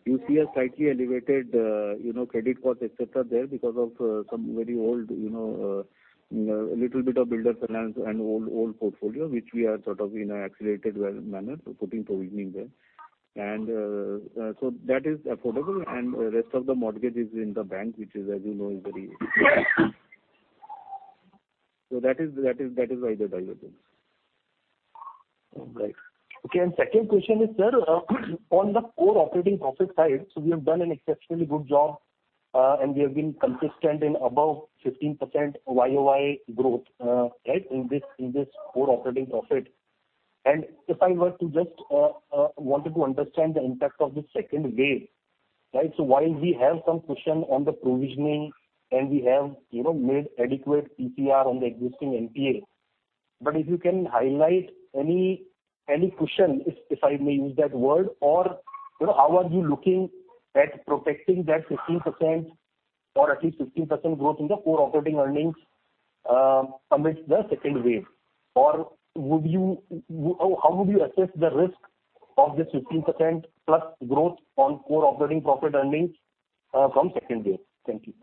You see a slightly elevated credit cost, etc., there because of some very old, a little bit of builder finance and old portfolio, which we are sort of in an accelerated manner putting provisioning there. And so that is affordable. And the rest of the mortgage is in the bank, which is, as you know, very expensive. So that is why the divergence. All right. Okay. And second question is, sir, on the core operating profit side, so we have done an exceptionally good job, and we have been consistent in above 15% YoY growth, right, in this core operating profit. And if I were to just wanted to understand the impact of the second wave, right, so while we have some cushion on the provisioning and we have made adequate PCR on the existing NPA, but if you can highlight any cushion, if I may use that word, or how are you looking at protecting that 15% or at least 15% growth in the core operating earnings amidst the second wave? Or how would you assess the risk of this 15% plus growth on core operating profit earnings from second wave? Thank you.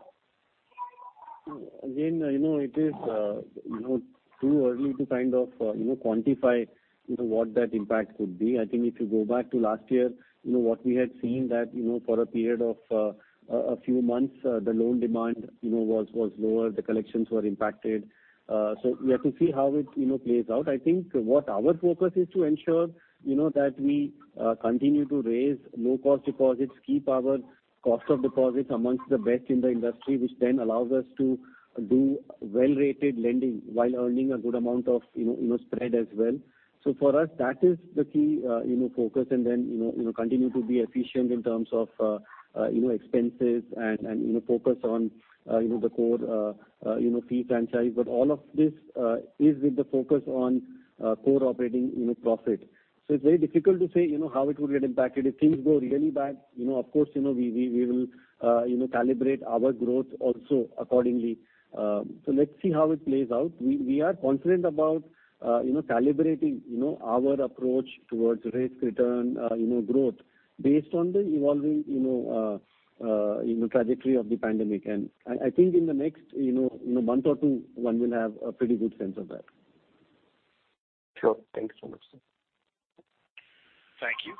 Again, it is too early to kind of quantify what that impact could be. I think if you go back to last year, what we had seen that for a period of a few months, the loan demand was lower, the collections were impacted. So we have to see how it plays out. I think what our focus is to ensure that we continue to raise low-cost deposits, keep our cost of deposits amongst the best in the industry, which then allows us to do well-rated lending while earning a good amount of spread as well. So for us, that is the key focus, and then continue to be efficient in terms of expenses and focus on the core fee franchise. But all of this is with the focus on core operating profit. So it's very difficult to say how it would get impacted. If things go really bad, of course, we will calibrate our growth also accordingly. So let's see how it plays out. We are confident about calibrating our approach towards risk return growth based on the evolving trajectory of the pandemic. And I think in the next month or two, one will have a pretty good sense of that. Sure. Thanks so much, sir. Thank you.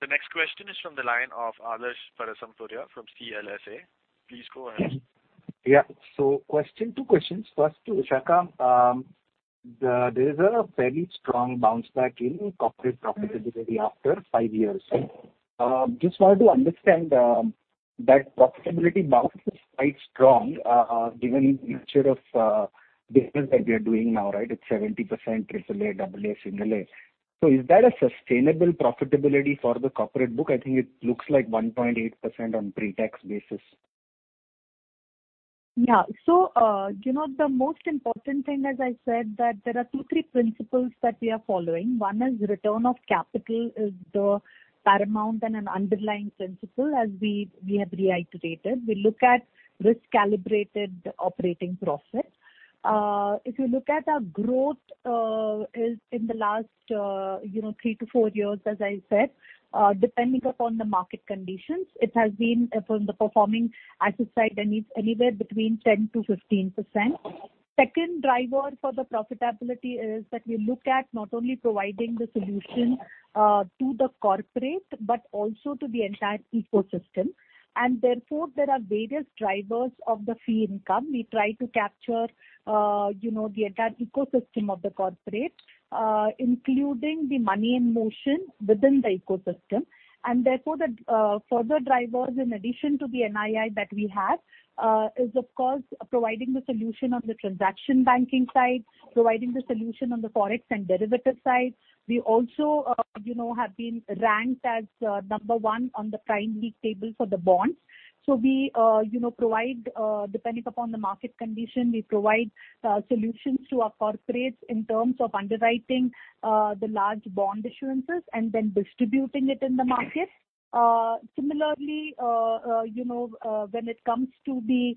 The next question is from the line of Adarsh Parasrampuria from CLSA. Please go ahead. Yeah. So two questions. First to Vishakha. There is a fairly strong bounce back in corporate profitability after five years. Just wanted to understand that profitability bounce is quite strong given the nature of business that we are doing now, right? It's 70% AAA, AA, AA. So is that a sustainable profitability for the corporate book? I think it looks like 1.8% on pretax basis. Yeah. So the most important thing, as I said, that there are two, three principles that we are following. One is return of capital is the paramount and an underlying principle, as we have reiterated. We look at risk-calibrated operating profit. If you look at our growth in the last three to four years, as I said, depending upon the market conditions, it has been from the performing asset side anywhere between 10%-15%. Second driver for the profitability is that we look at not only providing the solution to the corporate but also to the entire ecosystem. And therefore, there are various drivers of the fee income. We try to capture the entire ecosystem of the corporate, including the money in motion within the ecosystem. And therefore, the further drivers, in addition to the NII that we have, is, of course, providing the solution on the transaction banking side, providing the solution on the forex and derivative side. We also have been ranked as number one on the Prime league table for the bonds. So we provide, depending upon the market condition, we provide solutions to our corporates in terms of underwriting the large bond issuances and then distributing it in the market. Similarly, when it comes to the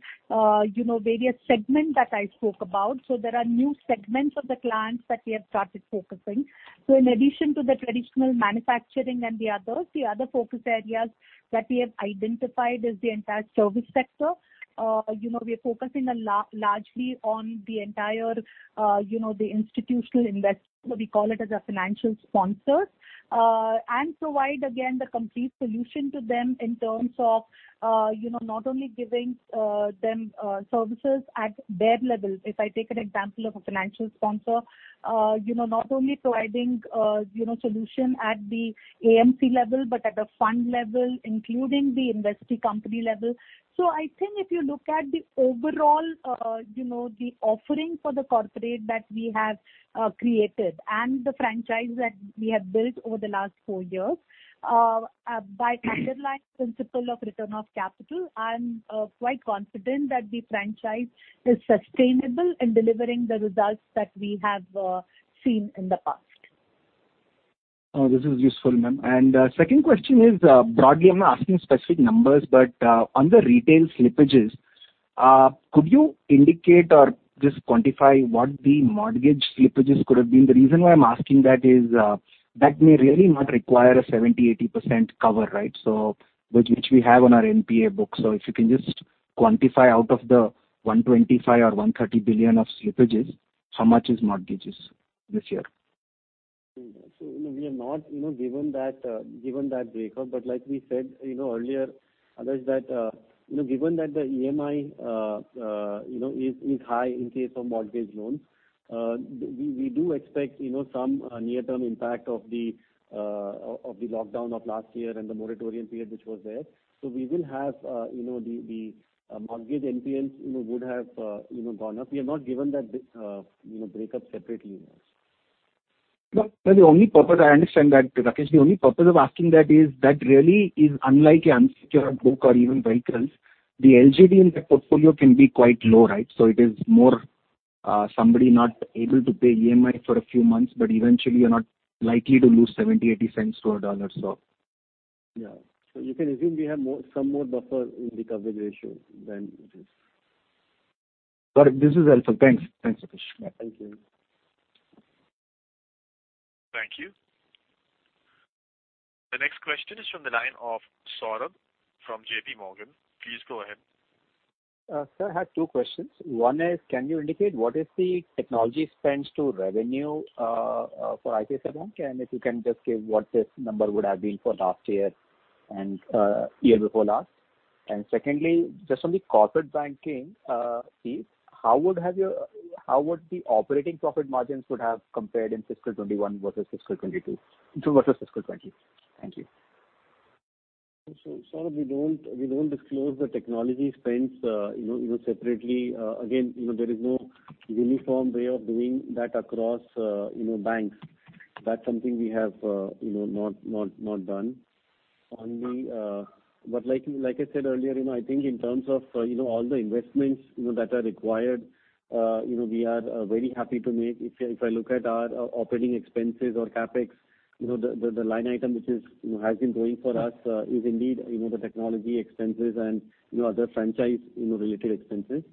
various segments that I spoke about, so there are new segments of the clients that we have started focusing. So in addition to the traditional manufacturing and the others, the other focus areas that we have identified is the entire service sector. We are focusing largely on the entire institutional investment, what we call it as a financial sponsor, and provide, again, the complete solution to them in terms of not only giving them services at their level. If I take an example of a financial sponsor, not only providing solution at the AMC level but at the fund level, including the investment company level. So I think if you look at the overall offering for the corporate that we have created and the franchise that we have built over the last four years, by underlying principle of return of capital, I'm quite confident that the franchise is sustainable in delivering the results that we have seen in the past. Oh, this is useful, ma'am. And second question is, broadly, I'm not asking specific numbers, but on the retail slippages, could you indicate or just quantify what the mortgage slippages could have been? The reason why I'm asking that is that may really not require a 70%-80% cover, right, which we have on our NPA book. So if you can just quantify out of the 125 billion or 130 billion of slippages, how much is mortgages this year? So we are not given that breakup. But like we said earlier, Adarsh, that given that the EMI is high in case of mortgage loans, we do expect some near-term impact of the lockdown of last year and the moratorium period which was there. So we will have the mortgage NPAs would have gone up. We are not given that breakup separately. But the only purpose I understand that, Rakesh, the only purpose of asking that is that really is unlike an unsecured book or even vehicles. The LGD in that portfolio can be quite low, right? So it is more somebody not able to pay EMI for a few months, but eventually, you're not likely to lose 70-80 cents to a dollar, so. Yeah. So you can assume we have some more buffer in the coverage ratio than it is. This is helpful. Thanks. Thanks, Rakesh. Thank you. Thank you. The next question is from the line of Saurabh from JPMorgan. Please go ahead. Sir, I have two questions. One is, can you indicate what is the technology spend to revenue for ICICI Bank? And if you can just give what this number would have been for last year and year before last. And secondly, just on the corporate banking piece, how would the operating profit margins have compared in fiscal 2021 versus fiscal 2022? Thank you. So we don't disclose the technology spends separately. Again, there is no uniform way of doing that across banks. That's something we have not done. But like I said earlier, I think in terms of all the investments that are required, we are very happy to make. If I look at our operating expenses or CapEx, the line item which has been going for us is indeed the technology expenses and other franchise-related expenses.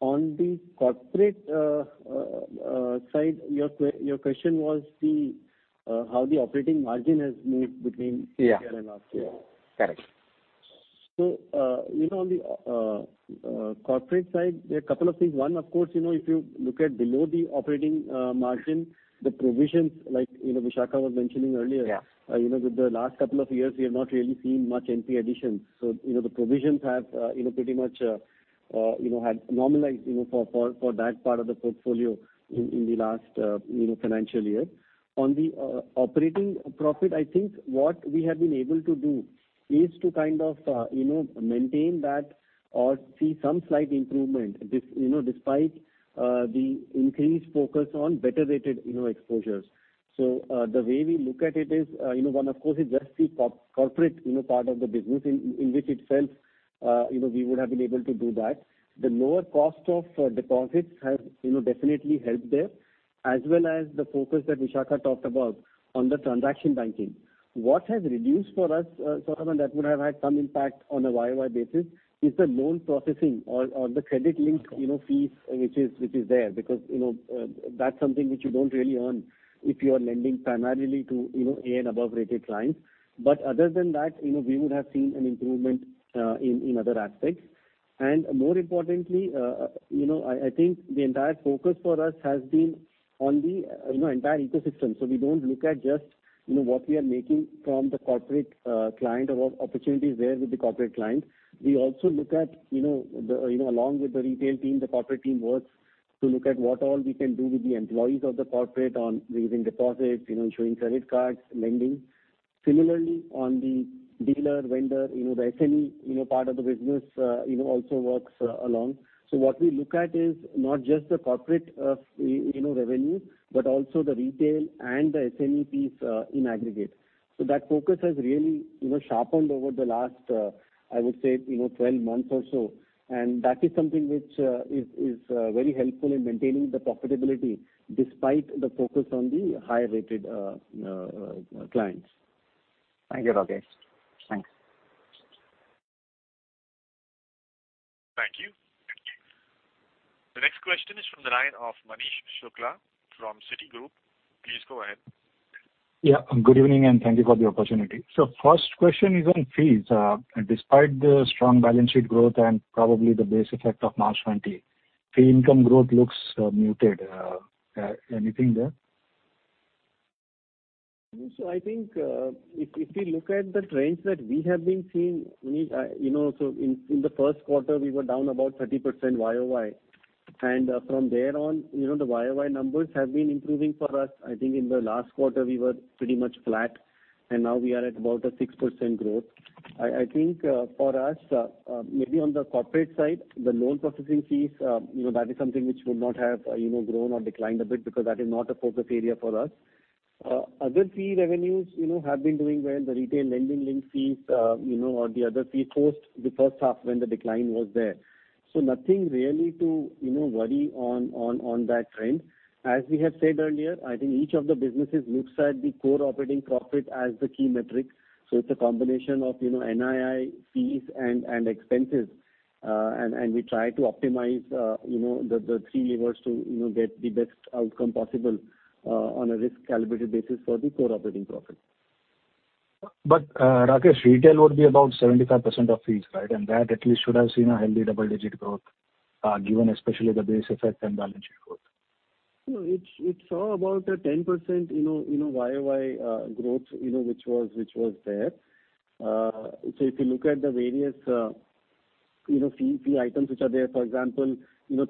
On the corporate side, your question was how the operating margin has moved between this year and last year. Correct. So on the corporate side, there are a couple of things. One, of course, if you look at below the operating margin, the provisions, like Vishakha was mentioning earlier, with the last couple of years, we have not really seen much NPA additions, so the provisions have pretty much normalized for that part of the portfolio in the last financial year. On the operating profit, I think what we have been able to do is to kind of maintain that or see some slight improvement despite the increased focus on better-rated exposures, so the way we look at it is, one, of course, it's just the corporate part of the business in which itself we would have been able to do that. The lower cost of deposits has definitely helped there, as well as the focus that Vishakha talked about on the transaction banking. What has reduced for us, Saurabh, and that would have had some impact on a YoY basis, is the loan processing or the credit-linked fees which is there because that's something which you don't really earn if you are lending primarily to A and above-rated clients. But other than that, we would have seen an improvement in other aspects. And more importantly, I think the entire focus for us has been on the entire ecosystem. So we don't look at just what we are making from the corporate client or opportunities there with the corporate client. We also look at, along with the retail team, the corporate team works to look at what all we can do with the employees of the corporate on raising deposits, issuing credit cards, lending. Similarly, on the dealer, vendor, the SME part of the business also works along. So what we look at is not just the corporate revenue but also the retail and the SME piece in aggregate. So that focus has really sharpened over the last, I would say, 12 months or so. And that is something which is very helpful in maintaining the profitability despite the focus on the high-rated clients. Thank you, Rakesh. Thanks. Thank you. The next question is from the line of Manish Shukla from Citigroup. Please go ahead. Yeah. Good evening, and thank you for the opportunity. So first question is on fees. Despite the strong balance sheet growth and probably the base effect of March 2020, fee income growth looks muted. Anything there? So I think if we look at the trends that we have been seeing, so in the first quarter, we were down about 30% YoY. And from there on, the YoY numbers have been improving for us. I think in the last quarter, we were pretty much flat, and now we are at about a 6% growth. I think for us, maybe on the corporate side, the loan processing fees, that is something which would not have grown or declined a bit because that is not a focus area for us. Other fee revenues have been doing well. The retail lending link fees or the other fees post the first half when the decline was there, so nothing really to worry on that trend. As we have said earlier, I think each of the businesses looks at the core operating profit as the key metric, so it's a combination of NII fees and expenses, and we try to optimize the three levers to get the best outcome possible on a risk-calibrated basis for the core operating profit, but Rakesh, retail would be about 75% of fees, right? That at least should have seen a healthy double-digit growth, given especially the base effect and balance sheet growth. It's all about a 10% YoY growth which was there. If you look at the various fee items which are there, for example,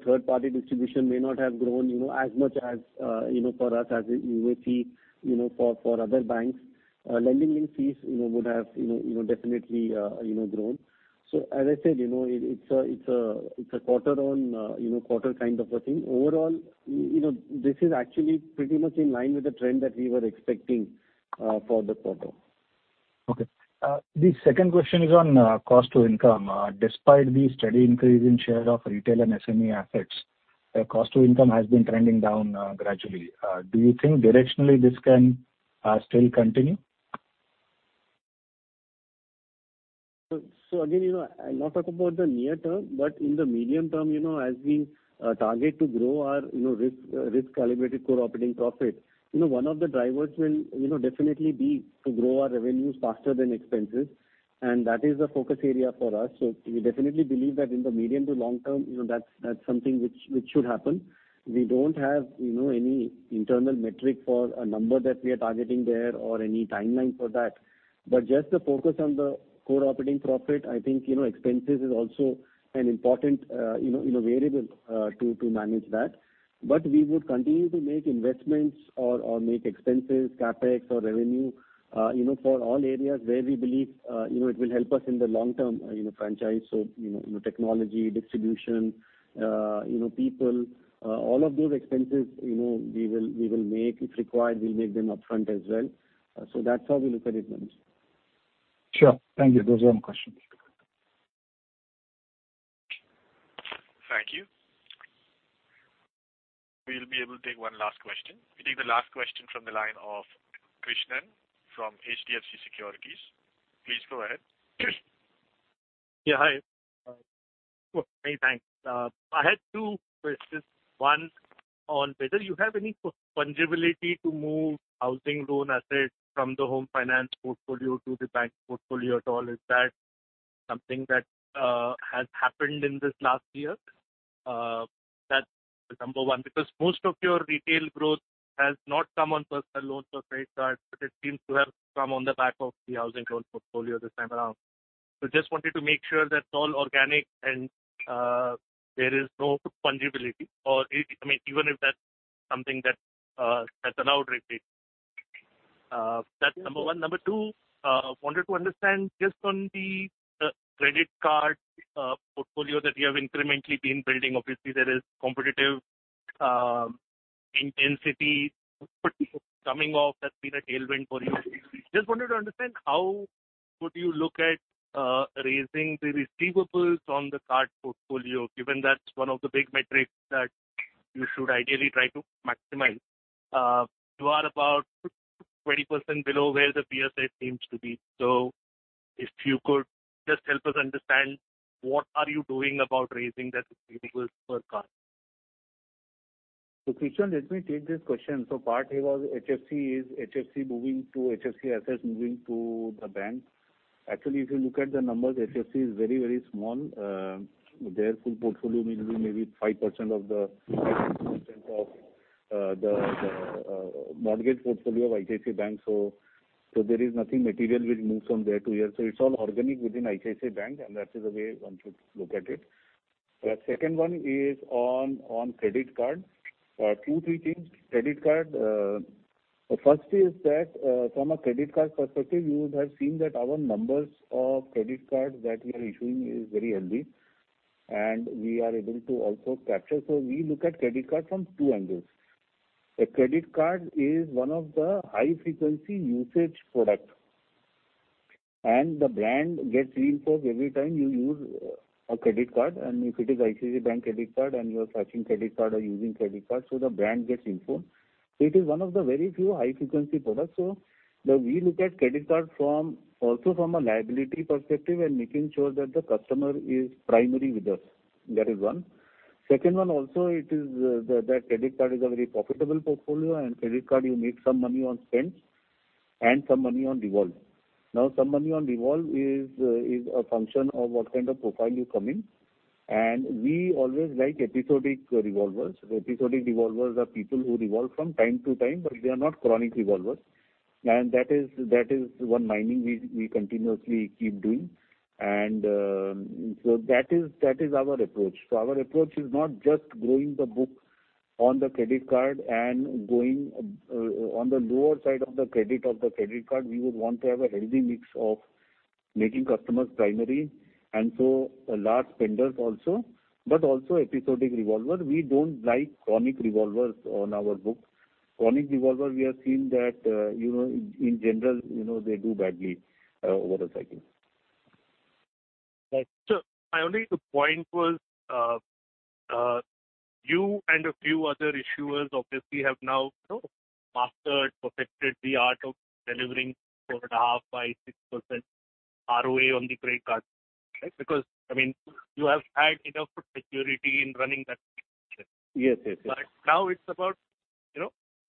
third-party distribution may not have grown as much for us as it would be for other banks. Lending link fees would have definitely grown. As I said, it's a quarter-on-quarter kind of a thing. Overall, this is actually pretty much in line with the trend that we were expecting for the quarter. Okay. The second question is on cost to income. Despite the steady increase in share of retail and SME assets, cost to income has been trending down gradually. Do you think directionally this can still continue? So again, I'll not talk about the near term, but in the medium term, as we target to grow our risk-calibrated core operating profit, one of the drivers will definitely be to grow our revenues faster than expenses. And that is the focus area for us. So we definitely believe that in the medium to long term, that's something which should happen. We don't have any internal metric for a number that we are targeting there or any timeline for that. But just the focus on the core operating profit, I think expenses is also an important variable to manage that. But we would continue to make investments or make expenses, CapEx or revenue for all areas where we believe it will help us in the long-term franchise. So technology, distribution, people, all of those expenses we will make. If required, we'll make them upfront as well. So that's how we look at it, Manish. Sure. Thank you. Those are my questions. Thank you. We'll be able to take one last question. We take the last question from the line of Krishnan from HDFC Securities. Please go ahead. Yeah. Hi. Hey, thanks. I had two questions. One, on whether you have any fungibility to move housing loan assets from the home finance portfolio to the bank portfolio at all. Is that something that has happened in this last year? That's the number one because most of your retail growth has not come on personal loans or credit cards, but it seems to have come on the back of the housing loan portfolio this time around. So just wanted to make sure that's all organic and there is no fungibility or, I mean, even if that's something that's allowed retail. That's number one. Number two, wanted to understand just on the credit card portfolio that you have incrementally been building. Obviously, there is competitive intensity coming off, that's been a tailwind for you. Just wanted to understand how would you look at raising the receivables on the card portfolio, given that's one of the big metrics that you should ideally try to maximize. You are about 20% below where the PSI seems to be. So if you could just help us understand what are you doing about raising that receivables per card. So Krishnan, let me take this question. So part A was HFC moving to HFC assets moving to the bank. Actually, if you look at the numbers, HFC is very, very small. Their full portfolio will be maybe 5% of the mortgage portfolio of ICICI Bank. So there is nothing material which moves from there to here. So it's all organic within ICICI Bank, and that is the way one should look at it. The second one is on credit card. Two, three things. Credit card. The first is that from a credit card perspective, you would have seen that our numbers of credit cards that we are issuing is very healthy, and we are able to also capture. So we look at credit card from two angles. The credit card is one of the high-frequency usage products, and the brand gets reinforced every time you use a credit card. And if it is ICICI Bank credit card and you are switching credit card or using credit card, so the brand gets informed. So it is one of the very few high-frequency products. So we look at credit card also from a liability perspective and making sure that the customer is primary with us. That is one. Second one also, that credit card is a very profitable portfolio, and credit card, you make some money on spend and some money on revolve. Now, some money on revolve is a function of what kind of profile you come in. And we always like episodic revolvers. Episodic revolvers are people who revolve from time to time, but they are not chronic revolvers. And that is one thing we continuously keep doing. And so that is our approach. So our approach is not just growing the book on the credit card and going on the lower side of the credit of the credit card. We would want to have a healthy mix of making customers primary and so large spenders also, but also episodic revolver. We don't like chronic revolvers on our book. Chronic revolver, we have seen that in general, they do badly over the cycle. So my only point was you and a few other issuers obviously have now mastered, perfected the art of delivering 4.5%-6% ROA on the credit card because, I mean, you have had enough security in running that. Yes, yes, yes. But now it's about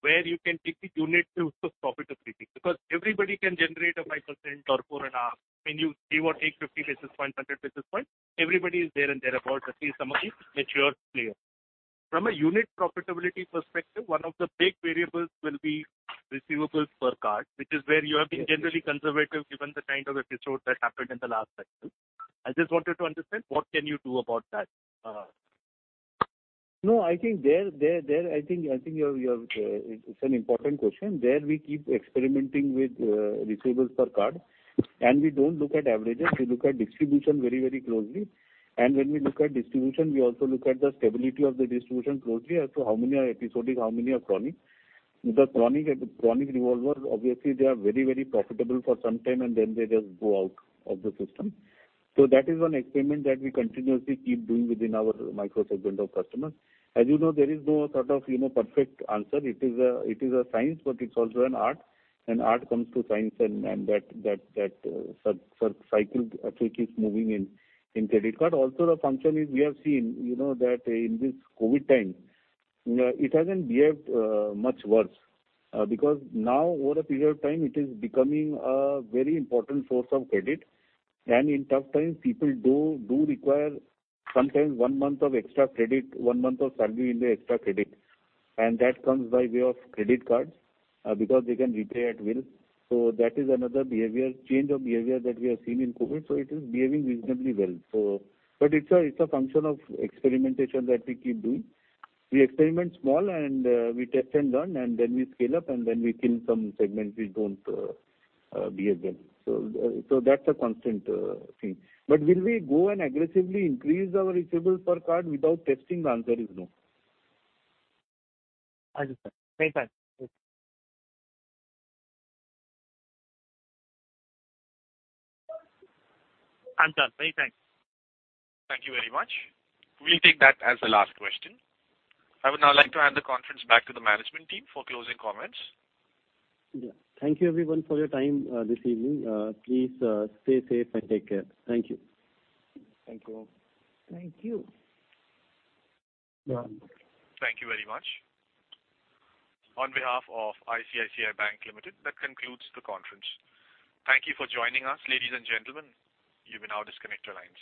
where you can take the unit to profitability because everybody can generate a 5% or 4.5%. I mean, you give or take 50 basis points, 100 basis points, everybody is there and thereabouts, at least some of the mature players. From a unit profitability perspective, one of the big variables will be receivables per card, which is where you have been generally conservative given the kind of episode that happened in the last cycle. I just wanted to understand what can you do about that? No, I think there, I think it's an important question. There we keep experimenting with receivables per card, and we don't look at averages. We look at distribution very, very closely. And when we look at distribution, we also look at the stability of the distribution closely as to how many are episodic, how many are chronic. The chronic revolvers, obviously, they are very, very profitable for some time, and then they just go out of the system. So that is one experiment that we continuously keep doing within our micro-segment of customers. As you know, there is no sort of perfect answer. It is a science, but it's also an art. And art comes to science, and that cycle trick is moving in credit card. Also, the function is we have seen that in this COVID time, it hasn't behaved much worse because now, over a period of time, it is becoming a very important source of credit. And in tough times, people do require sometimes one month of extra credit, one month of salary in the extra credit. And that comes by way of credit cards because they can repay at will. So that is another behavior, change of behavior that we have seen in COVID. So it is behaving reasonably well. But it's a function of experimentation that we keep doing. We experiment small, and we test and learn, and then we scale up, and then we kill some segments which don't behave well. So that's a constant thing. But will we go and aggressively increase our receivables per card without testing? The answer is no. I understand. Many thanks. I'm done. Many thanks. Thank you very much. We'll take that as the last question. I would now like to hand the conference back to the management team for closing comments. Yeah. Thank you, everyone, for your time this evening. Please stay safe and take care. Thank you. Thank you. Thank you. Thank you very much. On behalf of ICICI Bank Limited, that concludes the conference. Thank you for joining us, ladies and gentlemen. You may now disconnect your lines.